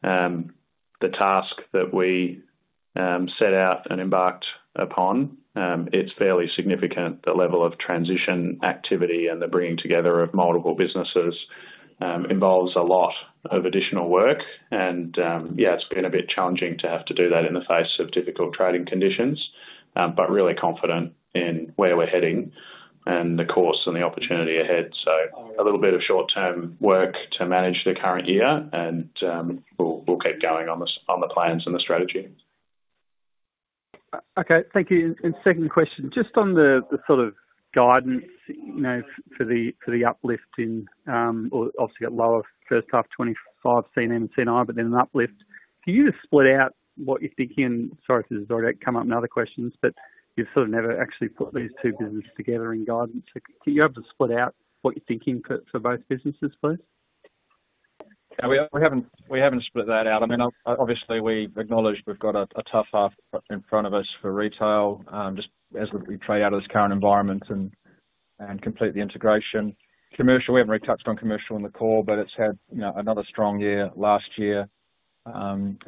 the task that we set out and embarked upon, it's fairly significant. The level of transition activity and the bringing together of multiple businesses involves a lot of additional work. And yeah, it's been a bit challenging to have to do that in the face of difficult trading conditions, but really confident in where we're heading and the course and the opportunity ahead, so a little bit of short-term work to manage the current year, and we'll keep going on the plans and the strategy. Okay. Thank you. And second question, just on the sort of guidance for the uplift in, obviously got lower first half 2025 C&M and C&I, but then an uplift. Can you split out what you're thinking? Sorry if there's already come up in other questions, but you've sort of never actually put these two businesses together in guidance. Can you have them split out what you're thinking for both businesses, please? We haven't split that out. I mean, obviously we've acknowledged we've got a tough half in front of us for retail just as we trade out of this current environment and complete the integration. Commercial, we haven't really touched on commercial in the core, but it's had another strong year last year. And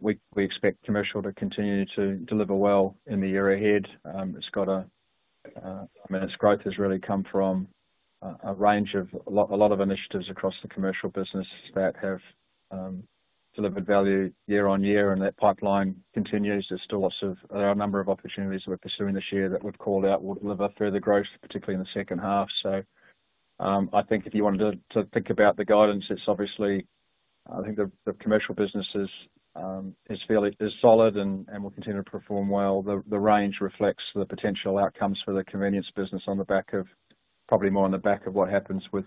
we expect commercial to continue to deliver well in the year ahead. I mean, its growth has really come from a range of a lot of initiatives across the commercial business that have delivered value year-on-year, and that pipeline continues. There's still a number of opportunities that we're pursuing this year that we've called out will deliver further growth, particularly in the second half. So I think if you wanted to think about the guidance, it's obviously I think the commercial business is solid and will continue to perform well. The range reflects the potential outcomes for the convenience business on the back of probably more on the back of what happens with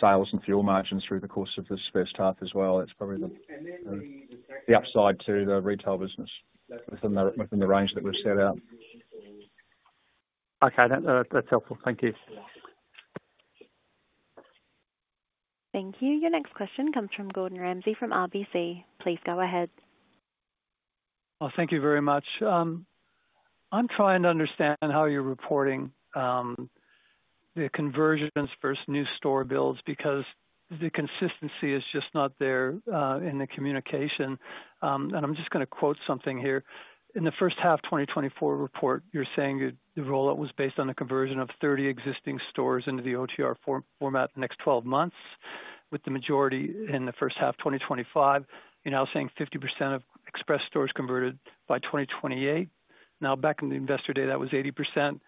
sales and fuel margins through the course of this first half as well. It's probably the upside to the retail business within the range that we've set out. Okay. That's helpful. Thank you. Thank you. Your next question comes from Gordon Ramsay from RBC. Please go ahead. Thank you very much. I'm trying to understand how you're reporting the conversions versus new store builds because the consistency is just not there in the communication. I'm just going to quote something here. In the first half 2024 report, you're saying the rollout was based on the conversion of 30 existing stores into the OTR format in the next 12 months, with the majority in the first half 2025. You're now saying 50% of Express stores converted by 2028. Now, back in the investor day, that was 80%.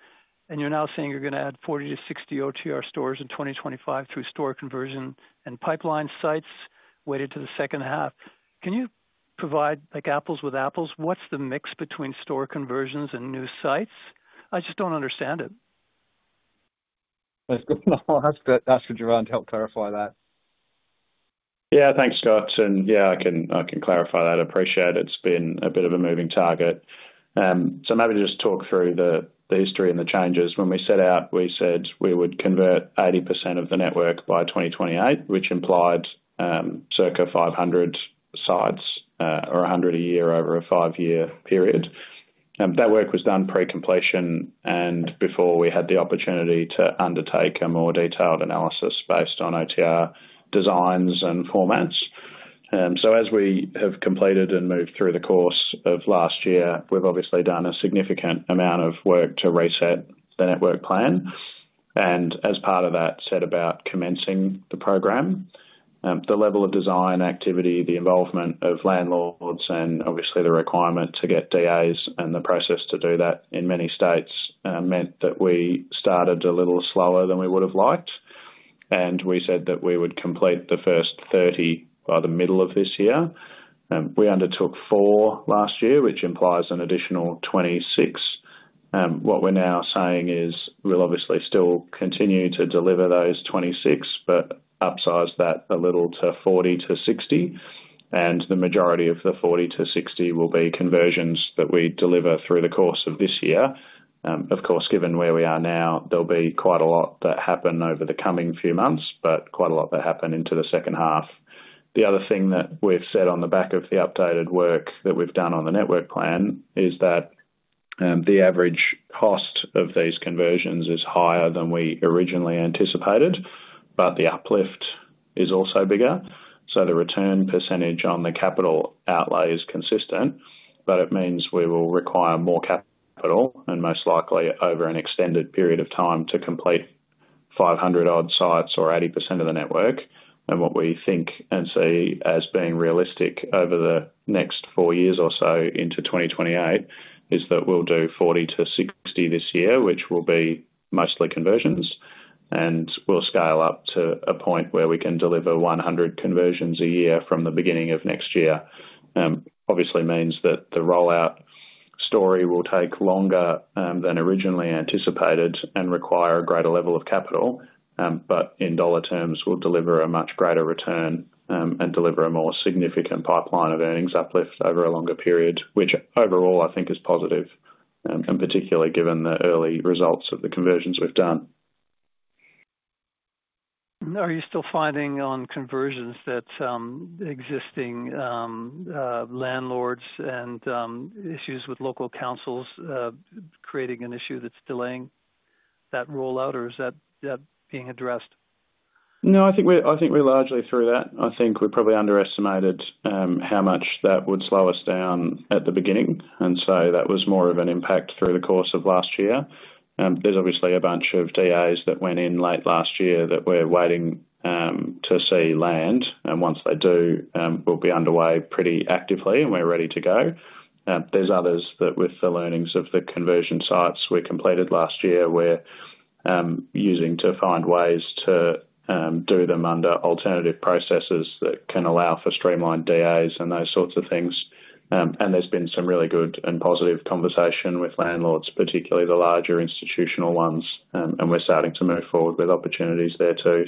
You're now saying you're going to add 40 to 60 OTR stores in 2025 through store conversion and pipeline sites weighted to the second half. Can you provide apples to apples? What's the mix between store conversions and new sites? I just don't understand it. That's good. I'll ask for Jevan to help clarify that. Yeah. Thanks, Scott. And yeah, I can clarify that. I appreciate it. It's been a bit of a moving target. So maybe just talk through the history and the changes. When we set out, we said we would convert 80% of the network by 2028, which implied circa 500 sites or 100 a year over a five-year period. That work was done pre-completion and before we had the opportunity to undertake a more detailed analysis based on OTR designs and formats. So as we have completed and moved through the course of last year, we've obviously done a significant amount of work to reset the network plan. And as part of that, set about commencing the program. The level of design activity, the involvement of landlords, and obviously the requirement to get DAs and the process to do that in many states meant that we started a little slower than we would have liked, and we said that we would complete the first 30 by the middle of this year. We undertook four last year, which implies an additional 26. What we're now saying is we'll obviously still continue to deliver those 26, but upsize that a little to 40-60, and the majority of the 40-60 will be conversions that we deliver through the course of this year. Of course, given where we are now, there'll be quite a lot that happen over the coming few months, but quite a lot that happen into the second half. The other thing that we've said on the back of the updated work that we've done on the network plan is that the average cost of these conversions is higher than we originally anticipated, but the uplift is also bigger. So the return percentage on the capital outlay is consistent, but it means we will require more capital and most likely over an extended period of time to complete 500-odd sites or 80% of the network. And what we think and see as being realistic over the next four years or so into 2028 is that we'll do 40-60 this year, which will be mostly conversions. And we'll scale up to a point where we can deliver 100 conversions a year from the beginning of next year. Obviously means that the rollout story will take longer than originally anticipated and require a greater level of capital, but in dollar terms, we'll deliver a much greater return and deliver a more significant pipeline of earnings uplift over a longer period, which overall I think is positive, and particularly given the early results of the conversions we've done. Are you still finding on conversions that existing landlords and issues with local councils creating an issue that's delaying that rollout, or is that being addressed? No, I think we're largely through that. I think we probably underestimated how much that would slow us down at the beginning. And so that was more of an impact through the course of last year. There's obviously a bunch of DAs that went in late last year that we're waiting to see land. And once they do, we'll be underway pretty actively and we're ready to go. There's others that with the learnings of the conversion sites we completed last year, we're using to find ways to do them under alternative processes that can allow for streamlined DAs and those sorts of things. And there's been some really good and positive conversation with landlords, particularly the larger institutional ones. And we're starting to move forward with opportunities there too.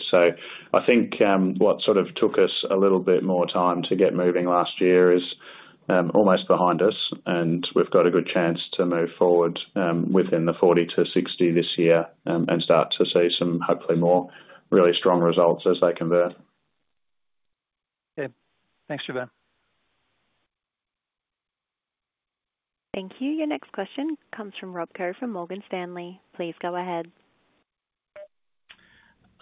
I think what sort of took us a little bit more time to get moving last year is almost behind us. We've got a good chance to move forward within the 40-60 this year and start to see some hopefully more really strong results as they convert. Okay. Thanks, Jevan. Thank you. Your next question comes from Rob Koh from Morgan Stanley. Please go ahead.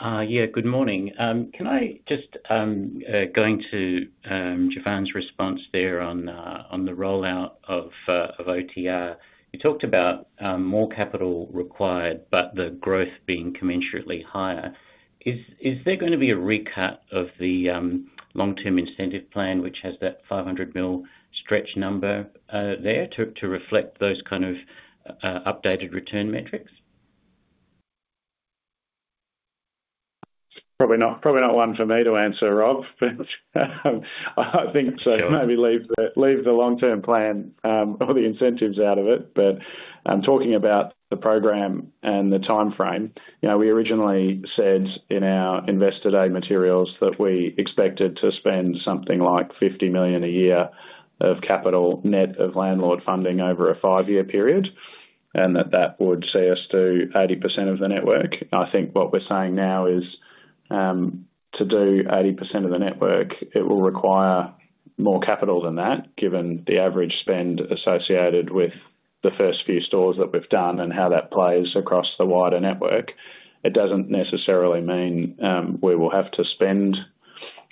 Yeah. Good morning. Can I just going to Jevan's response there on the rollout of OTR, you talked about more capital required, but the growth being commensurately higher. Is there going to be a recap of the long-term incentive plan, which has that 500 million stretch number there to reflect those kind of updated return metrics? Probably not one for me to answer, Rob. I think so. Maybe leave the long-term plan or the incentives out of it. But talking about the program and the timeframe, we originally said in our investor day materials that we expected to spend something like 50 million a year of capital net of landlord funding over a five-year period and that that would see us do 80% of the network. I think what we're saying now is to do 80% of the network, it will require more capital than that, given the average spend associated with the first few stores that we've done and how that plays across the wider network. It doesn't necessarily mean we will have to spend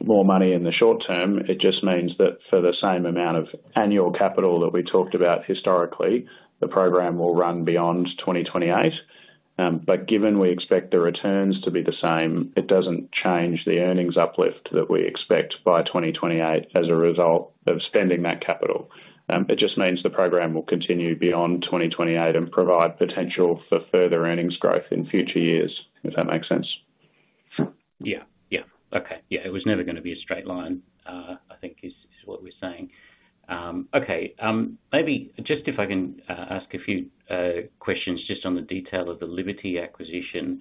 more money in the short term. It just means that for the same amount of annual capital that we talked about historically, the program will run beyond 2028. But given we expect the returns to be the same, it doesn't change the earnings uplift that we expect by 2028 as a result of spending that capital. It just means the program will continue beyond 2028 and provide potential for further earnings growth in future years, if that makes sense. Yeah. Yeah. Okay. Yeah. It was never going to be a straight line, I think, is what we're saying. Okay. Maybe just if I can ask a few questions just on the detail of the Liberty acquisition.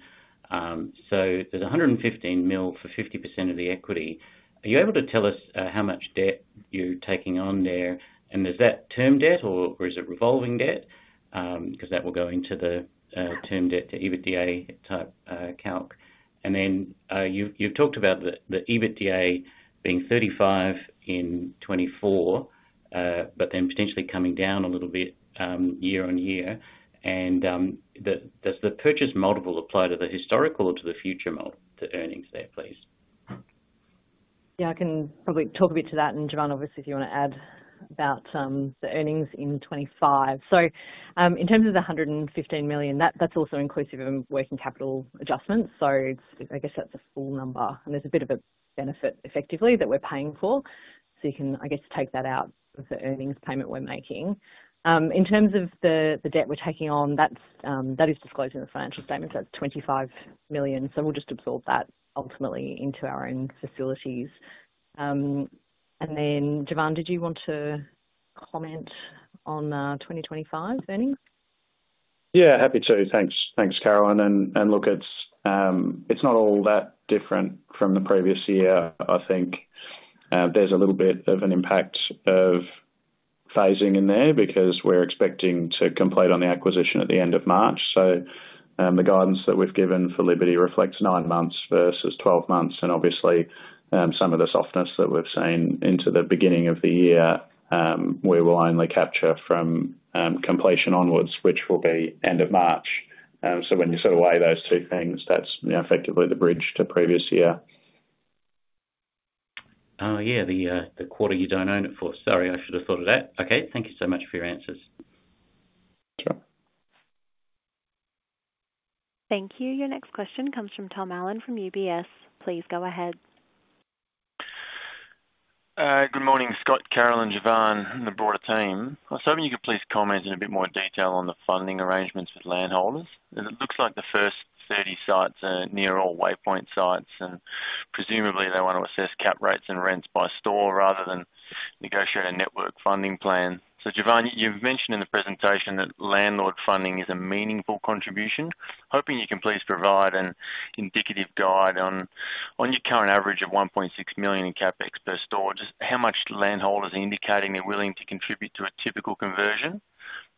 So there's 115 million for 50% of the equity. Are you able to tell us how much debt you're taking on there? And is that term debt or is it revolving debt? Because that will go into the term debt to EBITDA type calc. And then you've talked about the EBITDA being 35 million in 2024, but then potentially coming down a little bit year-on-year. And does the purchase multiple apply to the historical or to the future earnings there, please? Yeah. I can probably talk a bit to that. And Jevan, obviously, if you want to add about the earnings in 2025. So in terms of the 115 million, that's also inclusive of working capital adjustments. So I guess that's a full number. And there's a bit of a benefit effectively that we're paying for. So you can, I guess, take that out of the earnings payment we're making. In terms of the debt we're taking on, that is disclosed in the financial statements. That's 25 million. So we'll just absorb that ultimately into our own facilities. And then, Jevan, did you want to comment on 2025's earnings? Yeah. Happy to. Thanks, Carolyn. And look, it's not all that different from the previous year. I think there's a little bit of an impact of phasing in there because we're expecting to complete on the acquisition at the end of March. So the guidance that we've given for Liberty reflects nine months versus 12 months. And obviously, some of the softness that we've seen into the beginning of the year, we will only capture from completion onwards, which will be end of March. So when you sort of weigh those two things, that's effectively the bridge to previous year. Yeah. The quarter you don't own it for. Sorry, I should have thought of that. Okay. Thank you so much for your answers. Thank you. Your next question comes from Tom Allen from UBS. Please go ahead. Good morning, Scott, Carolyn, Jevan, and the broader team. I was hoping you could please comment in a bit more detail on the funding arrangements with landlords. It looks like the first 30 sites are near all Waypoint sites. Presumably, they want to assess cap rates and rents by store rather than negotiate a network funding plan. Jevan, you've mentioned in the presentation that landlord funding is a meaningful contribution. Hoping you can please provide an indicative guide on your current average of 1.6 million in CapEx per store. Just how much landlords are indicating they're willing to contribute to a typical conversion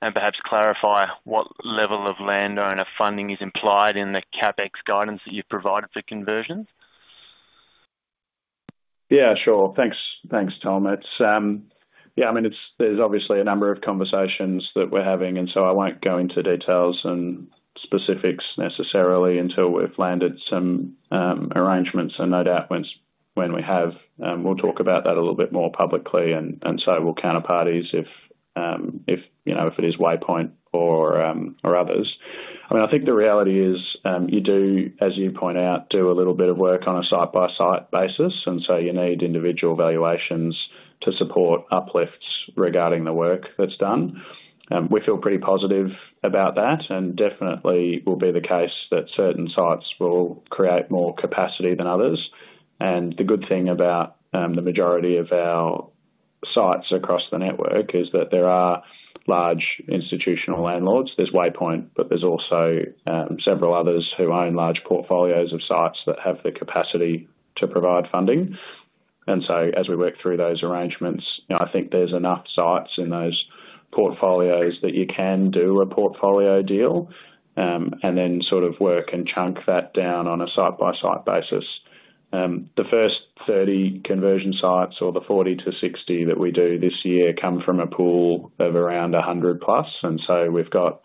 and perhaps clarify what level of landlord funding is implied in the CapEx guidance that you've provided for conversions? Yeah. Sure. Thanks, Tom. Yeah. I mean, there's obviously a number of conversations that we're having. And so I won't go into details and specifics necessarily until we've landed some arrangements. And no doubt when we have, we'll talk about that a little bit more publicly and say we'll counterparties if it is Waypoint or others. I mean, I think the reality is you do, as you point out, do a little bit of work on a site-by-site basis. And so you need individual valuations to support uplifts regarding the work that's done. We feel pretty positive about that. And definitely will be the case that certain sites will create more capacity than others. And the good thing about the majority of our sites across the network is that there are large institutional landlords. There's Waypoint, but there's also several others who own large portfolios of sites that have the capacity to provide funding. And so as we work through those arrangements, I think there's enough sites in those portfolios that you can do a portfolio deal and then sort of work and chunk that down on a site-by-site basis. The first 30 conversion sites or the 40-60 that we do this year come from a pool of around 100 plus. And so we've got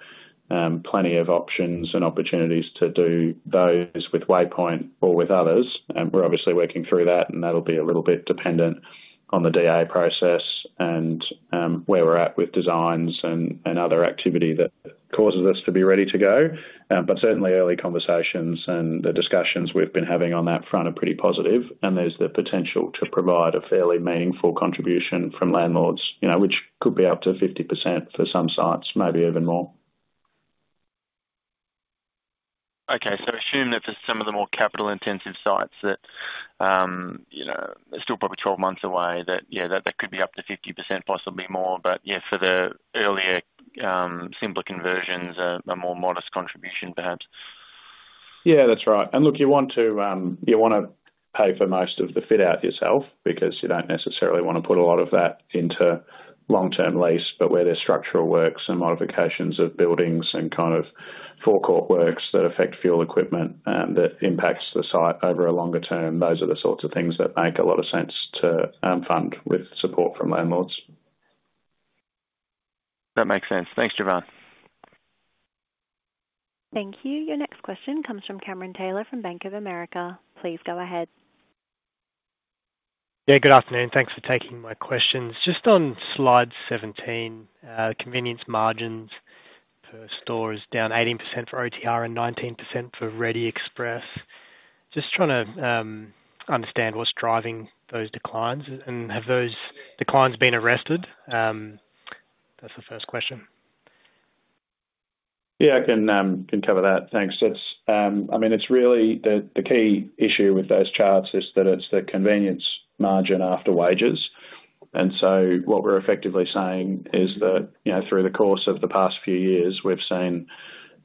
plenty of options and opportunities to do those with Waypoint or with others. We're obviously working through that. And that'll be a little bit dependent on the DA process and where we're at with designs and other activity that causes us to be ready to go. But certainly, early conversations and the discussions we've been having on that front are pretty positive. There's the potential to provide a fairly meaningful contribution from landlords, which could be up to 50% for some sites, maybe even more. Okay, so assume that for some of the more capital-intensive sites that are still probably 12 months away, that, yeah, that could be up to 50%, possibly more, but yeah, for the earlier simpler conversions, a more modest contribution perhaps. Yeah. That's right. And look, you want to pay for most of the fit-out yourself because you don't necessarily want to put a lot of that into long-term lease. But where there's structural works and modifications of buildings and kind of forecourt works that affect fuel equipment and that impacts the site over a longer term, those are the sorts of things that make a lot of sense to fund with support from landlords. That makes sense. Thanks, Jevan. Thank you. Your next question comes from Cameron Taylor from Bank of America. Please go ahead. Yeah. Good afternoon. Thanks for taking my questions. Just on slide 17, convenience margins per store is down 18% for OTR and 19% for Reddy Express. Just trying to understand what's driving those declines, and have those declines been arrested? That's the first question. Yeah. I can cover that. Thanks. I mean, it's really the key issue with those charts is that it's the convenience margin after wages. And so what we're effectively saying is that through the course of the past few years, we've seen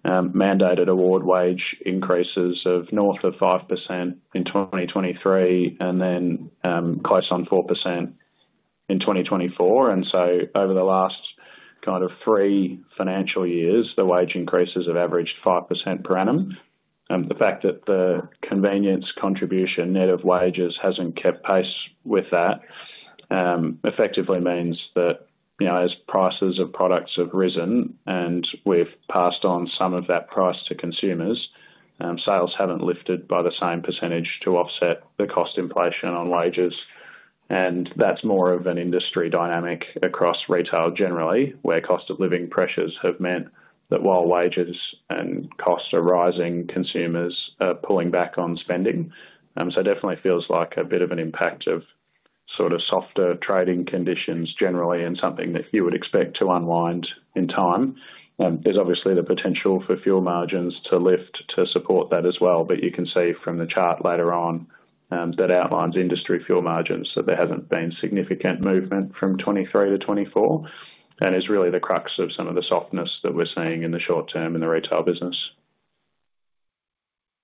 mandated award wage increases of North of 5% in 2023 and then close on 4% in 2024. And so over the last kind of three financial years, the wage increases have averaged 5% per annum. The fact that the convenience contribution net of wages hasn't kept pace with that effectively means that as prices of products have risen and we've passed on some of that price to consumers, sales haven't lifted by the same percentage to offset the cost inflation on wages. That's more of an industry dynamic across retail generally, where cost of living pressures have meant that while wages and costs are rising, consumers are pulling back on spending. Definitely feels like a bit of an impact of sort of softer trading conditions generally and something that you would expect to unwind in time. There's obviously the potential for fuel margins to lift to support that as well. You can see from the chart later on that outlines industry fuel margins that there hasn't been significant movement from 2023 to 2024. It's really the crux of some of the softness that we're seeing in the short term in the retail business.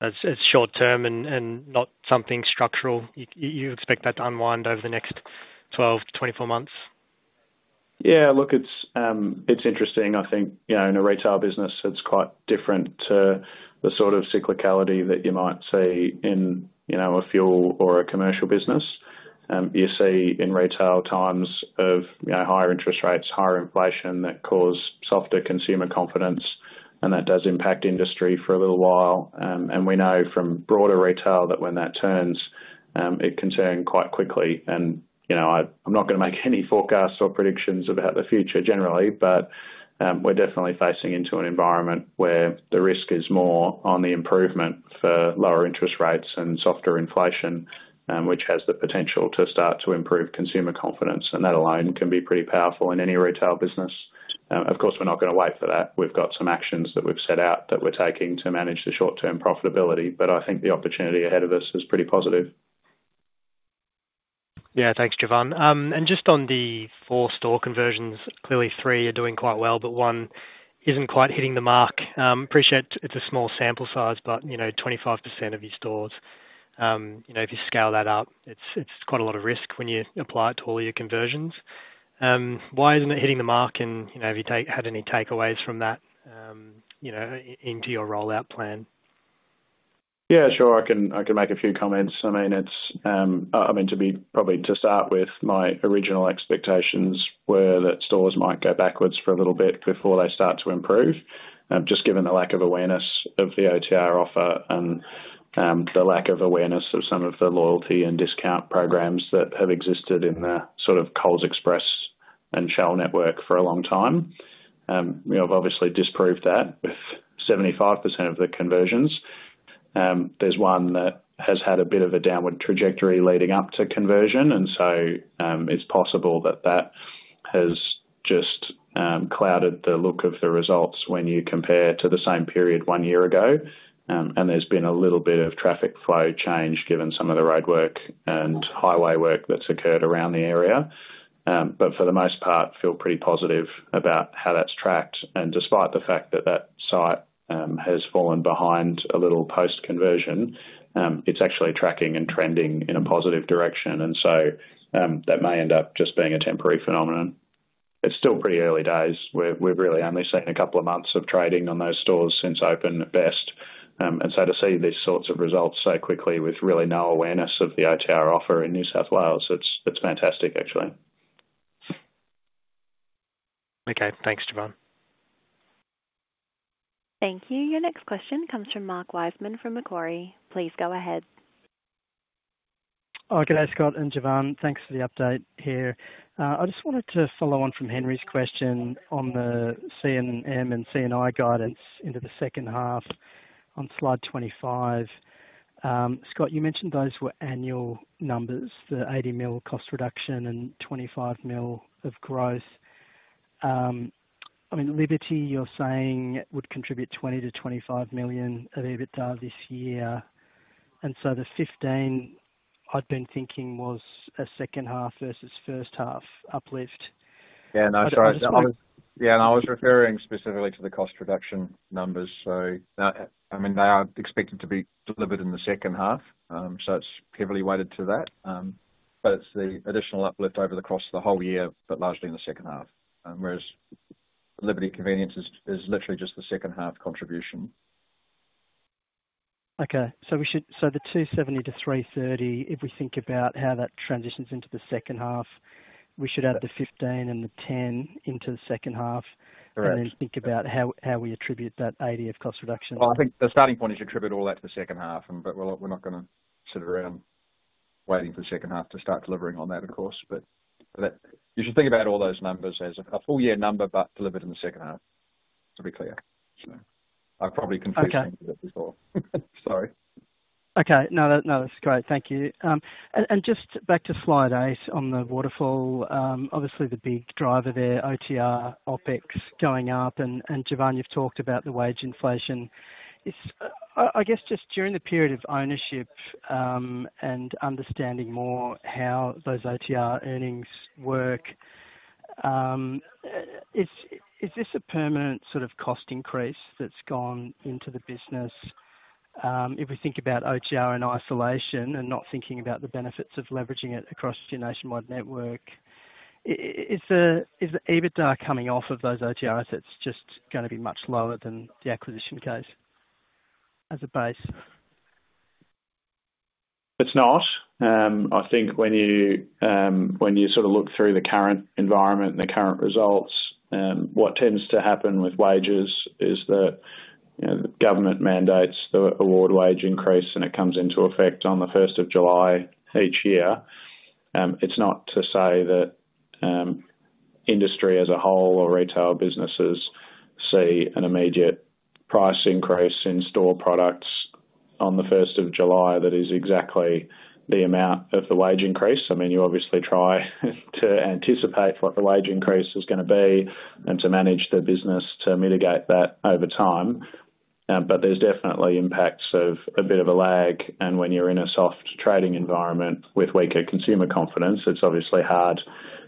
It's short term and not something structural. You expect that to unwind over the next 12 months-24 months? Yeah. Look, it's interesting. I think in a retail business, it's quite different to the sort of cyclicality that you might see in a fuel or a commercial business. You see, in retail, times of higher interest rates, higher inflation that cause softer consumer confidence. And that does impact industry for a little while. And we know from broader retail that when that turns, it can turn quite quickly. And I'm not going to make any forecasts or predictions about the future generally, but we're definitely facing into an environment where the risk is more on the improvement for lower interest rates and softer inflation, which has the potential to start to improve consumer confidence. And that alone can be pretty powerful in any retail business. Of course, we're not going to wait for that. We've got some actions that we've set out that we're taking to manage the short-term profitability. But I think the opportunity ahead of us is pretty positive. Yeah. Thanks, Jevan. And just on the four store conversions, clearly three are doing quite well, but one isn't quite hitting the mark. Appreciate it's a small sample size, but 25% of your stores, if you scale that up, it's quite a lot of risk when you apply it to all your conversions. Why isn't it hitting the mark? And have you had any takeaways from that into your rollout plan? Yeah. Sure. I can make a few comments. I mean, to be probably to start with, my original expectations were that stores might go backwards for a little bit before they start to improve, just given the lack of awareness of the OTR offer and the lack of awareness of some of the loyalty and discount programs that have existed in the sort of Coles Express and Shell network for a long time. We have obviously disproved that with 75% of the conversions. There's one that has had a bit of a downward trajectory leading up to conversion. And so it's possible that that has just clouded the look of the results when you compare to the same period one year ago. And there's been a little bit of traffic flow change given some of the roadwork and highway work that's occurred around the area. But for the most part, feel pretty positive about how that's tracked. And despite the fact that that site has fallen behind a little post-conversion, it's actually tracking and trending in a positive direction. And so that may end up just being a temporary phenomenon. It's still pretty early days. We've really only seen a couple of months of trading on those stores since open at best. And so to see these sorts of results so quickly with really no awareness of the OTR offer in New South Wales, it's fantastic, actually. Okay. Thanks, Jevan. Thank you. Your next question comes from Mark Wiseman from Macquarie. Please go ahead. Okay. Thanks, Scott and Jevan. Thanks for the update here. I just wanted to follow on from Henry's question on the C&M and C&I guidance into the second half on slide 25. Scott, you mentioned those were annual numbers, the 80 million cost reduction and 25 million of growth. I mean, Liberty, you're saying would contribute 20 million-25 million of EBITDA this year. And so the 15 million, I'd been thinking was a second half versus first half uplift. I was referring specifically to the cost reduction numbers. I mean, they are expected to be delivered in the second half. It's heavily weighted to that. But it's the additional uplift over the course of the whole year, but largely in the second half, whereas Liberty Convenience is literally just the second half contribution. Okay. So the 270-330, if we think about how that transitions into the second half, we should add the 15 and the 10 into the second half and then think about how we attribute that 80 of cost reduction. I think the starting point is to attribute all that to the second half. But we're not going to sit around waiting for the second half to start delivering on that, of course. But you should think about all those numbers as a full year number, but delivered in the second half to be clear. I probably confused you with it before. Sorry. Okay. No, that's great. Thank you. And just back to slide eight on the waterfall, obviously the big driver there, OTR, OpEx going up. And Jevan, you've talked about the wage inflation. I guess just during the period of ownership and understanding more how those OTR earnings work, is this a permanent sort of cost increase that's gone into the business? If we think about OTR in isolation and not thinking about the benefits of leveraging it across your nationwide network, is the EBITDA coming off of those OTR assets just going to be much lower than the acquisition case as a base? It's not. I think when you sort of look through the current environment and the current results, what tends to happen with wages is that the government mandates the award wage increase, and it comes into effect on the 1st of July each year. It's not to say that industry as a whole or retail businesses see an immediate price increase in store products on the 1st of July that is exactly the amount of the wage increase. I mean, you obviously try to anticipate what the wage increase is going to be and to manage the business to mitigate that over time. But there's definitely impacts of a bit of a lag. And when you're in a soft trading environment with weaker consumer confidence, it's obviously hard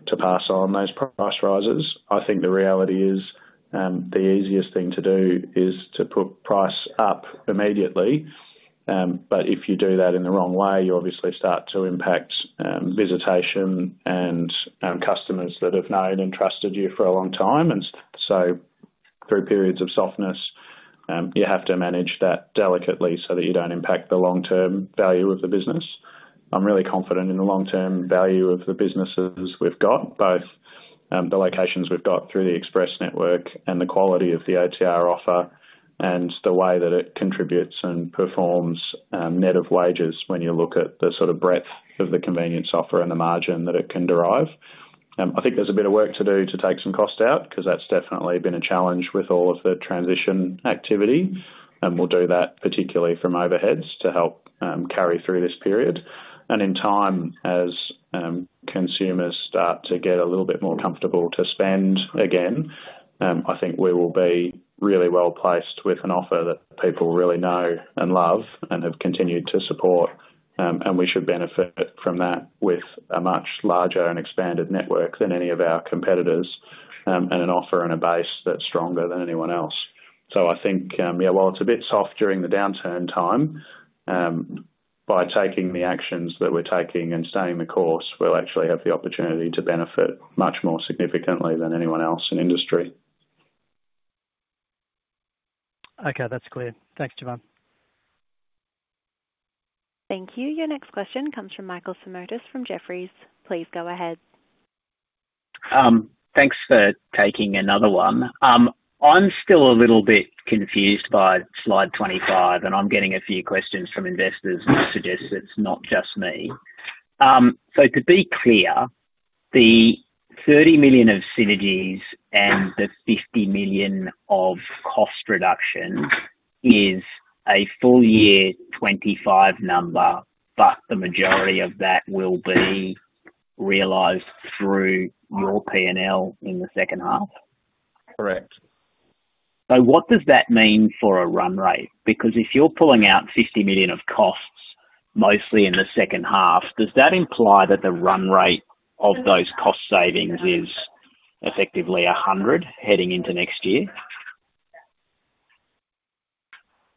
to pass on those price rises. I think the reality is the easiest thing to do is to put price up immediately. But if you do that in the wrong way, you obviously start to impact visitation and customers that have known and trusted you for a long time. And so through periods of softness, you have to manage that delicately so that you don't impact the long-term value of the business. I'm really confident in the long-term value of the businesses we've got, both the locations we've got through the Express network and the quality of the OTR offer and the way that it contributes and performs net of wages when you look at the sort of breadth of the convenience offer and the margin that it can derive. I think there's a bit of work to do to take some cost out because that's definitely been a challenge with all of the transition activity. And we'll do that particularly from overheads to help carry through this period. In time, as consumers start to get a little bit more comfortable to spend again, I think we will be really well placed with an offer that people really know and love and have continued to support. We should benefit from that with a much larger and expanded network than any of our competitors and an offer and a base that's stronger than anyone else. I think, yeah, while it's a bit soft during the downturn time, by taking the actions that we're taking and staying the course, we'll actually have the opportunity to benefit much more significantly than anyone else in industry. Okay. That's clear. Thanks, Jevan. Thank you. Your next question comes from Michael Simotas from Jefferies. Please go ahead. Thanks for taking another one. I'm still a little bit confused by slide 25, and I'm getting a few questions from investors who suggest it's not just me. So to be clear, the 30 million of synergies and the 50 million of cost reduction is a full year 2025 number, but the majority of that will be realized through your P&L in the second half. Correct. So what does that mean for a run rate? Because if you're pulling out 50 million of costs mostly in the second half, does that imply that the run rate of those cost savings is effectively 100 million heading into next year?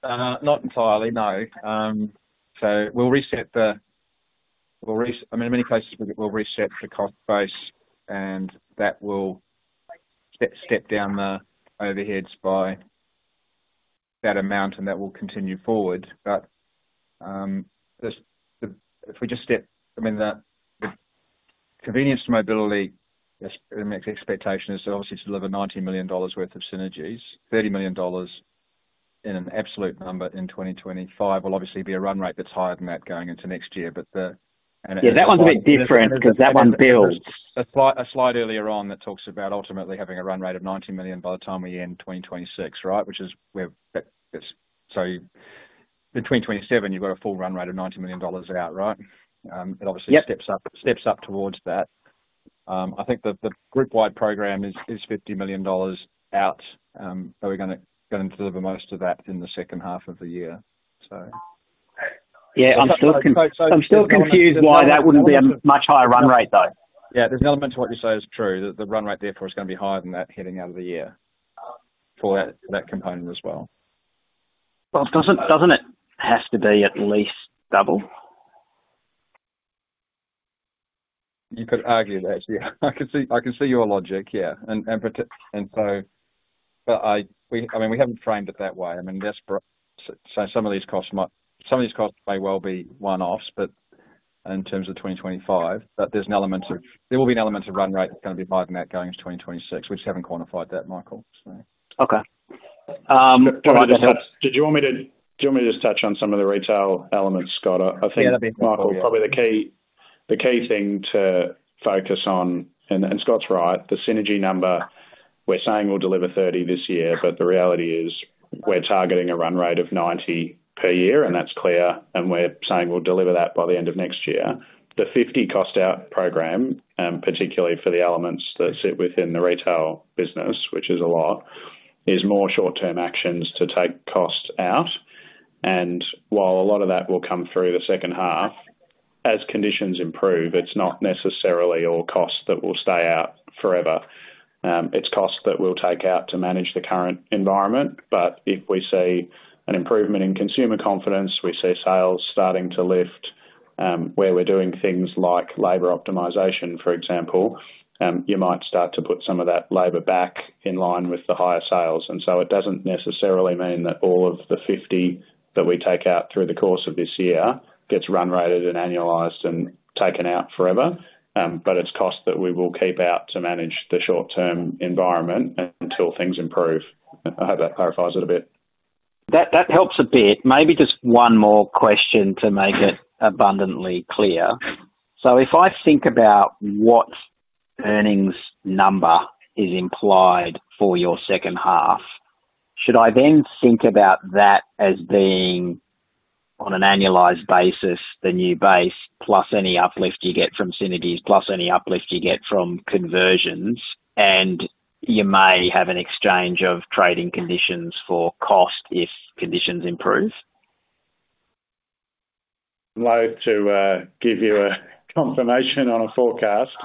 Not entirely, no. So we'll reset the—I mean, in many cases, we'll reset the cost base, and that will step down the overheads by that amount, and that will continue forward. But if we just step—I mean, the convenience mobility expectation is to obviously deliver 90 million dollars worth of synergies, 30 million dollars in an absolute number in 2025. We'll obviously be a run rate that's higher than that going into next year, but the— Yeah. That one's a bit different because that one builds. A slide earlier on that talks about ultimately having a run rate of 90 million by the time we end 2026, right? So in 2027, you've got a full run rate of 90 million dollars out, right? It obviously steps up towards that. I think the group-wide program is 50 million dollars out, but we're going to deliver most of that in the second half of the year, so. Yeah. I'm still confused why that wouldn't be a much higher run rate, though. Yeah. There's an element to what you say is true, that the run rate, therefore, is going to be higher than that heading out of the year for that component as well. Doesn't it have to be at least double? You could argue that, yeah. I can see your logic, yeah, and so, I mean, we haven't framed it that way. I mean, some of these costs may well be one-offs, but in terms of 2025, there will be an element of run rate that's going to be higher than that going into 2026. We just haven't quantified that, Michael, so. Okay. Sorry. Did you want me to just touch on some of the retail elements, Scott? I think, Michael, probably the key thing to focus on, and Scott's right. The synergy number, we're saying we'll deliver 30 million this year, but the reality is we're targeting a run rate of 90 million per year, and that's clear. And we're saying we'll deliver that by the end of next year. The 50 million cost-out program, particularly for the elements that sit within the retail business, which is a lot, is more short-term actions to take cost out. And while a lot of that will come through the second half, as conditions improve, it's not necessarily all costs that will stay out forever. It's costs that we'll take out to manage the current environment. But if we see an improvement in consumer confidence, we see sales starting to lift, where we're doing things like labor optimization, for example, you might start to put some of that labor back in line with the higher sales. And so it doesn't necessarily mean that all of the 50 that we take out through the course of this year gets run rated and annualized and taken out forever. But it's costs that we will keep out to manage the short-term environment until things improve. I hope that clarifies it a bit. That helps a bit. Maybe just one more question to make it abundantly clear. So if I think about what earnings number is implied for your second half, should I then think about that as being, on an annualized basis, the new base plus any uplift you get from synergies plus any uplift you get from conversions, and you may have an exchange of trading conditions for cost if conditions improve? Glad to give you a confirmation on a forecast,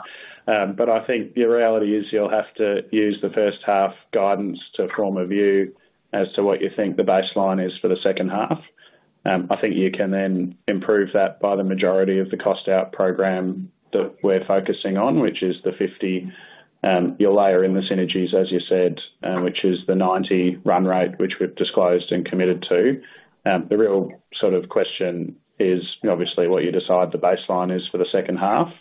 but I think the reality is you'll have to use the first half guidance to form a view as to what you think the baseline is for the second half. I think you can then improve that by the majority of the cost-out program that we're focusing on, which is the 50. You'll layer in the synergies, as you said, which is the 90 run rate, which we've disclosed and committed to. The real sort of question is obviously what you decide the baseline is for the second half,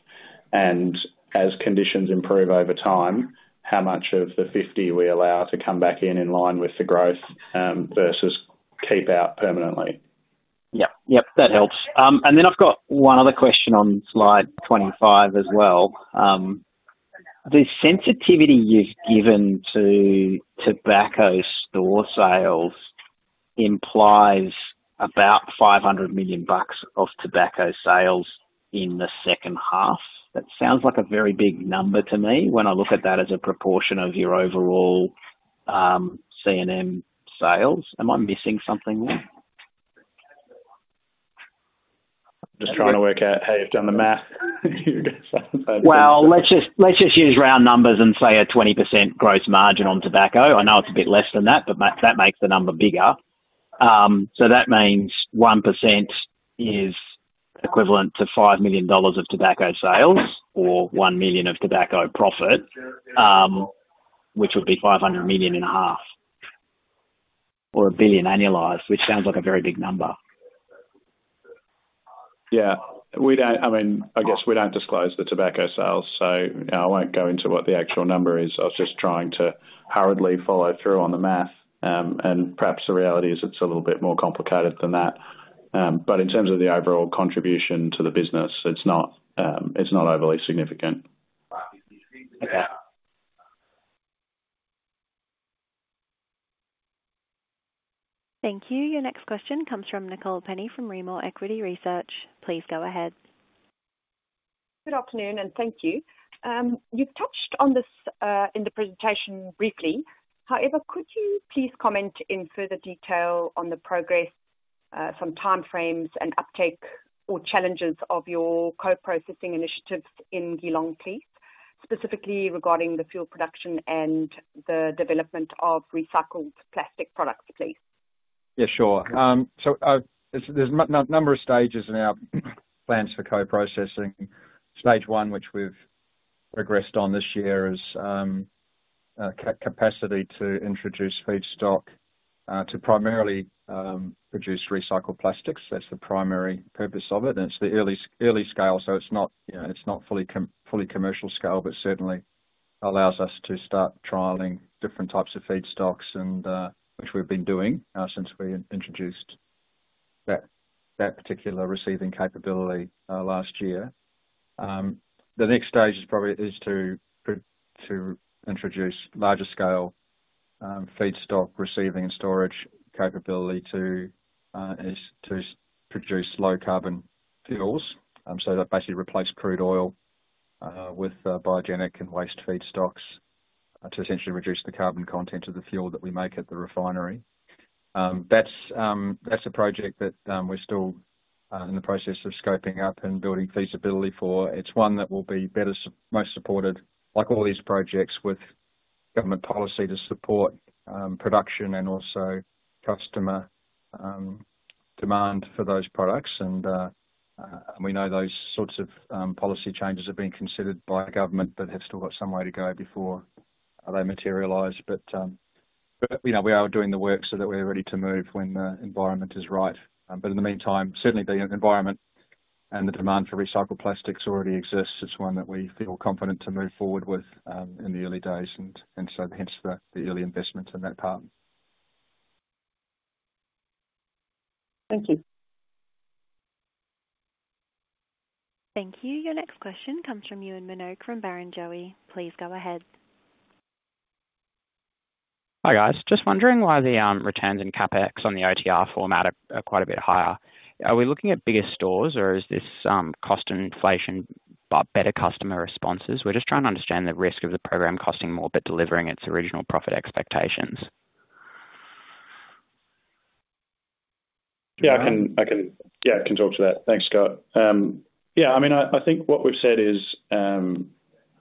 and as conditions improve over time, how much of the 50 we allow to come back in in line with the growth versus keep out permanently. Yep. Yep. That helps. And then I've got one other question on slide 25 as well. The sensitivity you've given to tobacco store sales implies about 500 million bucks of tobacco sales in the second half. That sounds like a very big number to me when I look at that as a proportion of your overall C&M sales. Am I missing something there? I'm just trying to work out how you've done the math. You're going to say. Let's just use round numbers and say a 20% gross margin on tobacco. I know it's a bit less than that, but that makes the number bigger. So that means 1% is equivalent to 5 million dollars of tobacco sales or 1 million of tobacco profit, which would be 500 million and a half or a billion annualized, which sounds like a very big number. Yeah. I mean, I guess we don't disclose the tobacco sales, so I won't go into what the actual number is. I was just trying to hurriedly follow through on the math. And perhaps the reality is it's a little bit more complicated than that. But in terms of the overall contribution to the business, it's not overly significant. Okay. Thank you. Your next question comes from Nicole Penny from Rimor Equity Research. Please go ahead. Good afternoon, and thank you. You've touched on this in the presentation briefly. However, could you please comment in further detail on the progress, some time frames, and uptake or challenges of your co-processing initiatives in Geelong, please, specifically regarding the fuel production and the development of recycled plastic products, please? Yeah, sure. So there's a number of stages in our plans for co-processing. Stage one, which we've progressed on this year, is capacity to introduce feedstock to primarily produce recycled plastics. That's the primary purpose of it. And it's the early scale, so it's not fully commercial scale, but certainly allows us to start trialing different types of feedstocks, which we've been doing since we introduced that particular receiving capability last year. The next stage is probably to introduce larger-scale feedstock receiving and storage capability to produce low-carbon fuels. So that basically replaced crude oil with biogenic and waste feedstocks to essentially reduce the carbon content of the fuel that we make at the refinery. That's a project that we're still in the process of scoping up and building feasibility for. It's one that will be most supported, like all these projects, with government policy to support production and also customer demand for those products, and we know those sorts of policy changes have been considered by government, but have still got some way to go before they materialize, but we are doing the work so that we're ready to move when the environment is right, but in the meantime, certainly the environment and the demand for recycled plastics already exists. It's one that we feel confident to move forward with in the early days, and so hence the early investment in that part. Thank you. Thank you. Your next question comes from Uwan Minogue from Barrenjoey. Please go ahead. Hi guys. Just wondering why the returns in CapEx on the OTR format are quite a bit higher? Are we looking at bigger stores, or is this cost inflation better customer responses? We're just trying to understand the risk of the program costing more but delivering its original profit expectations. Yeah, I can talk to that. Thanks, Scott. Yeah. I mean, I think what we've said is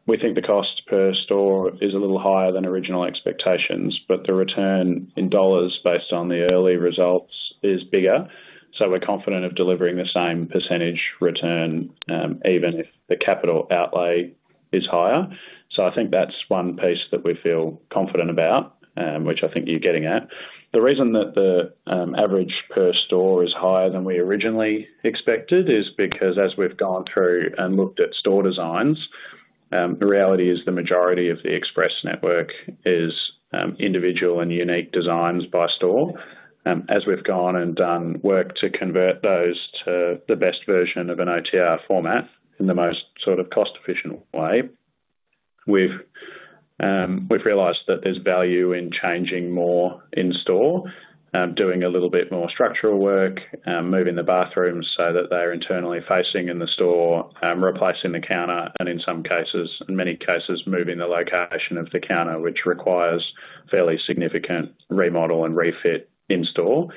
we think the cost per store is a little higher than original expectations, but the return in dollars based on the early results is bigger. So we're confident of delivering the same percentage return even if the capital outlay is higher. So I think that's one piece that we feel confident about, which I think you're getting at. The reason that the average per store is higher than we originally expected is because, as we've gone through and looked at store designs, the reality is the majority of the Express network is individual and unique designs by store. As we've gone and done work to convert those to the best version of an OTR format in the most sort of cost-efficient way, we've realized that there's value in changing more in-store, doing a little bit more structural work, moving the bathrooms so that they're internally facing in the store, replacing the counter, and in some cases, in many cases, moving the location of the counter, which requires fairly significant remodel and refit in-store.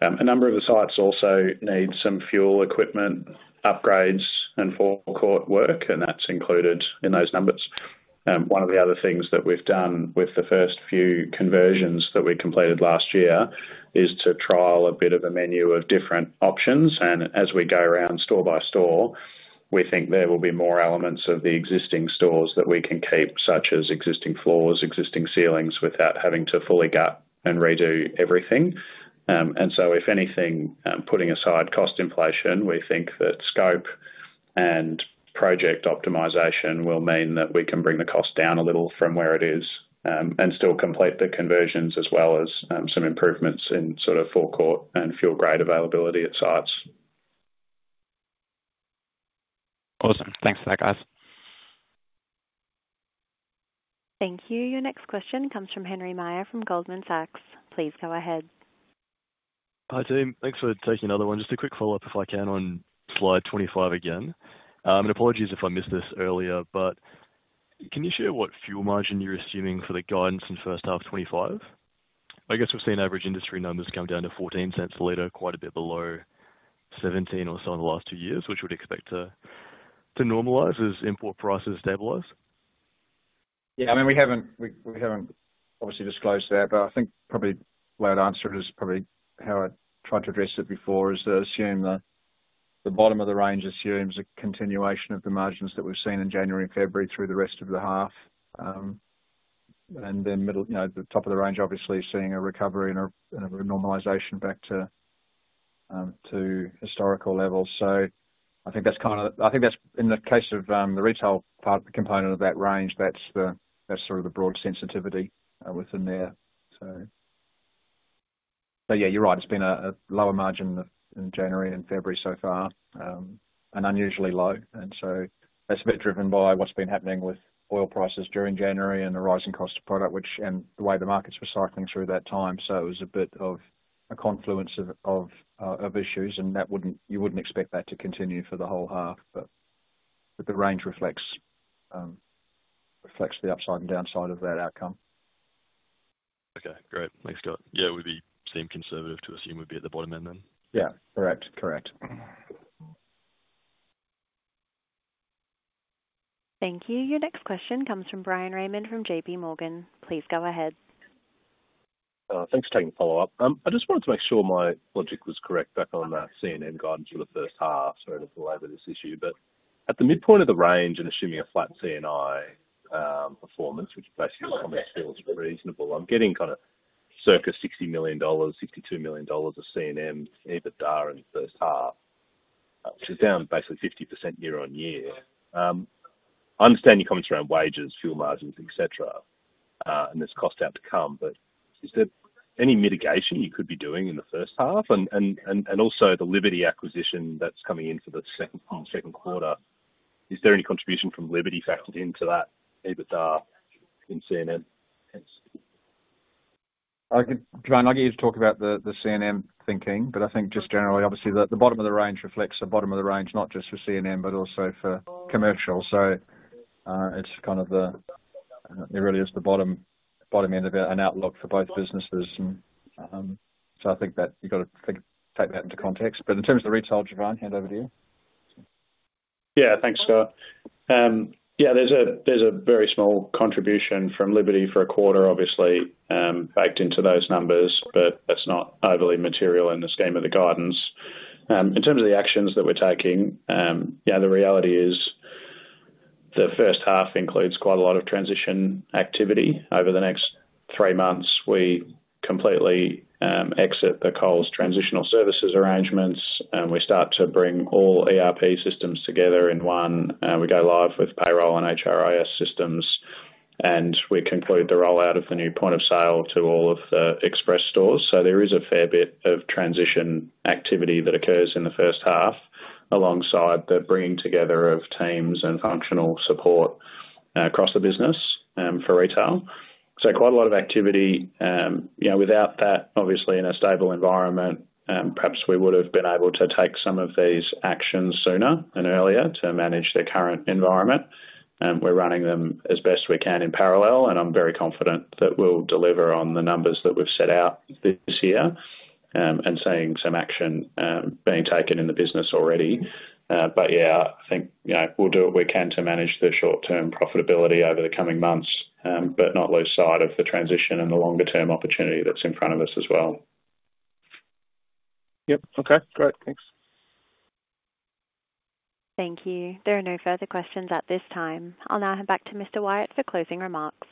A number of the sites also need some fuel equipment upgrades and forecourt work, and that's included in those numbers. One of the other things that we've done with the first few conversions that we completed last year is to trial a bit of a menu of different options. As we go around store by store, we think there will be more elements of the existing stores that we can keep, such as existing floors, existing ceilings, without having to fully gut and redo everything. So if anything, putting aside cost inflation, we think that scope and project optimization will mean that we can bring the cost down a little from where it is and still complete the conversions as well as some improvements in sort of forecourt and fuel grade availability at sites. Awesome. Thanks for that, guys. Thank you. Your next question comes from Henry Meyer from Goldman Sachs. Please go ahead. Hi, team. Thanks for taking another one. Just a quick follow-up, if I can, on slide 25 again. And apologies if I missed this earlier, but can you share what fuel margin you're assuming for the guidance in first half 2025? I guess we've seen average industry numbers come down to 0.14 a liter, quite a bit below 0.17 or so in the last two years, which we'd expect to normalize as import prices stabilize. Yeah. I mean, we haven't obviously disclosed that, but I think probably the way I'd answer it is probably how I tried to address it before is to assume the bottom of the range assumes a continuation of the margins that we've seen in January and February through the rest of the half, and then the top of the range, obviously, seeing a recovery and a normalization back to historical levels. So I think that's kind of in the case of the retail part of the component of that range, that's sort of the broad sensitivity within there. So yeah, you're right. It's been a lower margin in January and February so far, and unusually low, and so that's a bit driven by what's been happening with oil prices during January and the rising cost of product, and the way the market's recycling through that time. So it was a bit of a confluence of issues, and you wouldn't expect that to continue for the whole half, but the range reflects the upside and downside of that outcome. Okay. Great. Thanks, Scott. Yeah, it'd be conservative to assume we'd be at the bottom end then. Yeah. Correct. Correct. Thank you. Your next question comes from Bryan Raymond from JP Morgan. Please go ahead. Thanks for taking the follow-up. I just wanted to make sure my logic was correct back on that C&M guidance for the first half, so I didn't belabor this issue. But at the midpoint of the range and assuming a flat C&I performance, which basically is reasonable, I'm getting kind of circa 60 million-62 million dollars of C&M EBITDA in the first half, which is down basically 50% year-on-year. I understand your comments around wages, fuel margins, etc., and there's cost out to come, but is there any mitigation you could be doing in the first half? And also the Liberty acquisition that's coming in for the second quarter, is there any contribution from Liberty factored into that EBITDA in C&M? Jevan, I'll get you to talk about the C&M thinking, but I think just generally, obviously, the bottom of the range reflects the bottom of the range, not just for C&M, but also for commercial. So it's kind of it really is the bottom end of an outlook for both businesses. And so I think that you've got to take that into context. But in terms of the retail, Jevan, hand over to you. Yeah. Thanks, Scott. Yeah, there's a very small contribution from Liberty for a quarter, obviously, baked into those numbers, but that's not overly material in the scheme of the guidance. In terms of the actions that we're taking, yeah, the reality is the first half includes quite a lot of transition activity. Over the next three months, we completely exit the Coles transitional services arrangements. We start to bring all ERP systems together in one. We go live with payroll and HRIS systems, and we conclude the rollout of the new point of sale to all of the Express stores. So there is a fair bit of transition activity that occurs in the first half alongside the bringing together of teams and functional support across the business for retail. So quite a lot of activity. Without that, obviously, in a stable environment, perhaps we would have been able to take some of these actions sooner and earlier to manage the current environment. We're running them as best we can in parallel, and I'm very confident that we'll deliver on the numbers that we've set out this year and seeing some action being taken in the business already, but yeah, I think we'll do what we can to manage the short-term profitability over the coming months, but not lose sight of the transition and the longer-term opportunity that's in front of us as well. Yep. Okay. Great. Thanks. Thank you. There are no further questions at this time. I'll now hand back to Mr. Wyatt for closing remarks.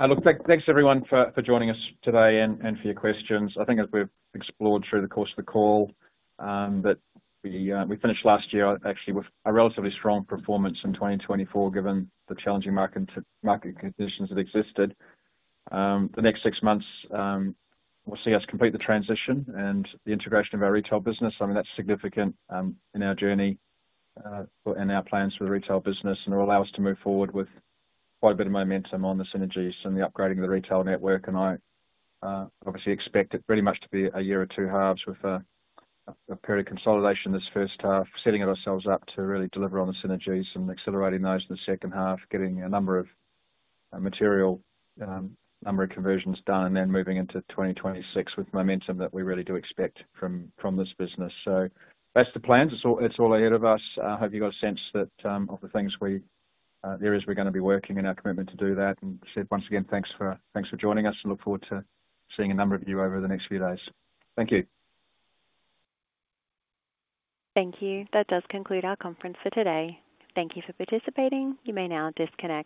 Thanks, everyone, for joining us today and for your questions. I think as we've explored through the course of the call, that we finished last year actually with a relatively strong performance in 2024, given the challenging market conditions that existed. The next six months, we'll see us complete the transition and the integration of our retail business. I mean, that's significant in our journey and our plans for the retail business, and it will allow us to move forward with quite a bit of momentum on the synergies and the upgrading of the retail network. And I obviously expect it pretty much to be a year of two halves with a period of consolidation this first half, setting ourselves up to really deliver on the synergies and accelerating those in the second half, getting a number of material conversions done, and then moving into 2026 with momentum that we really do expect from this business. So that's the plans. It's all ahead of us. I hope you've got a sense of the things that we're going to be working and our commitment to do that. And once again, thanks for joining us, and look forward to seeing a number of you over the next few days. Thank you. Thank you. That does conclude our conference for today. Thank you for participating. You may now disconnect.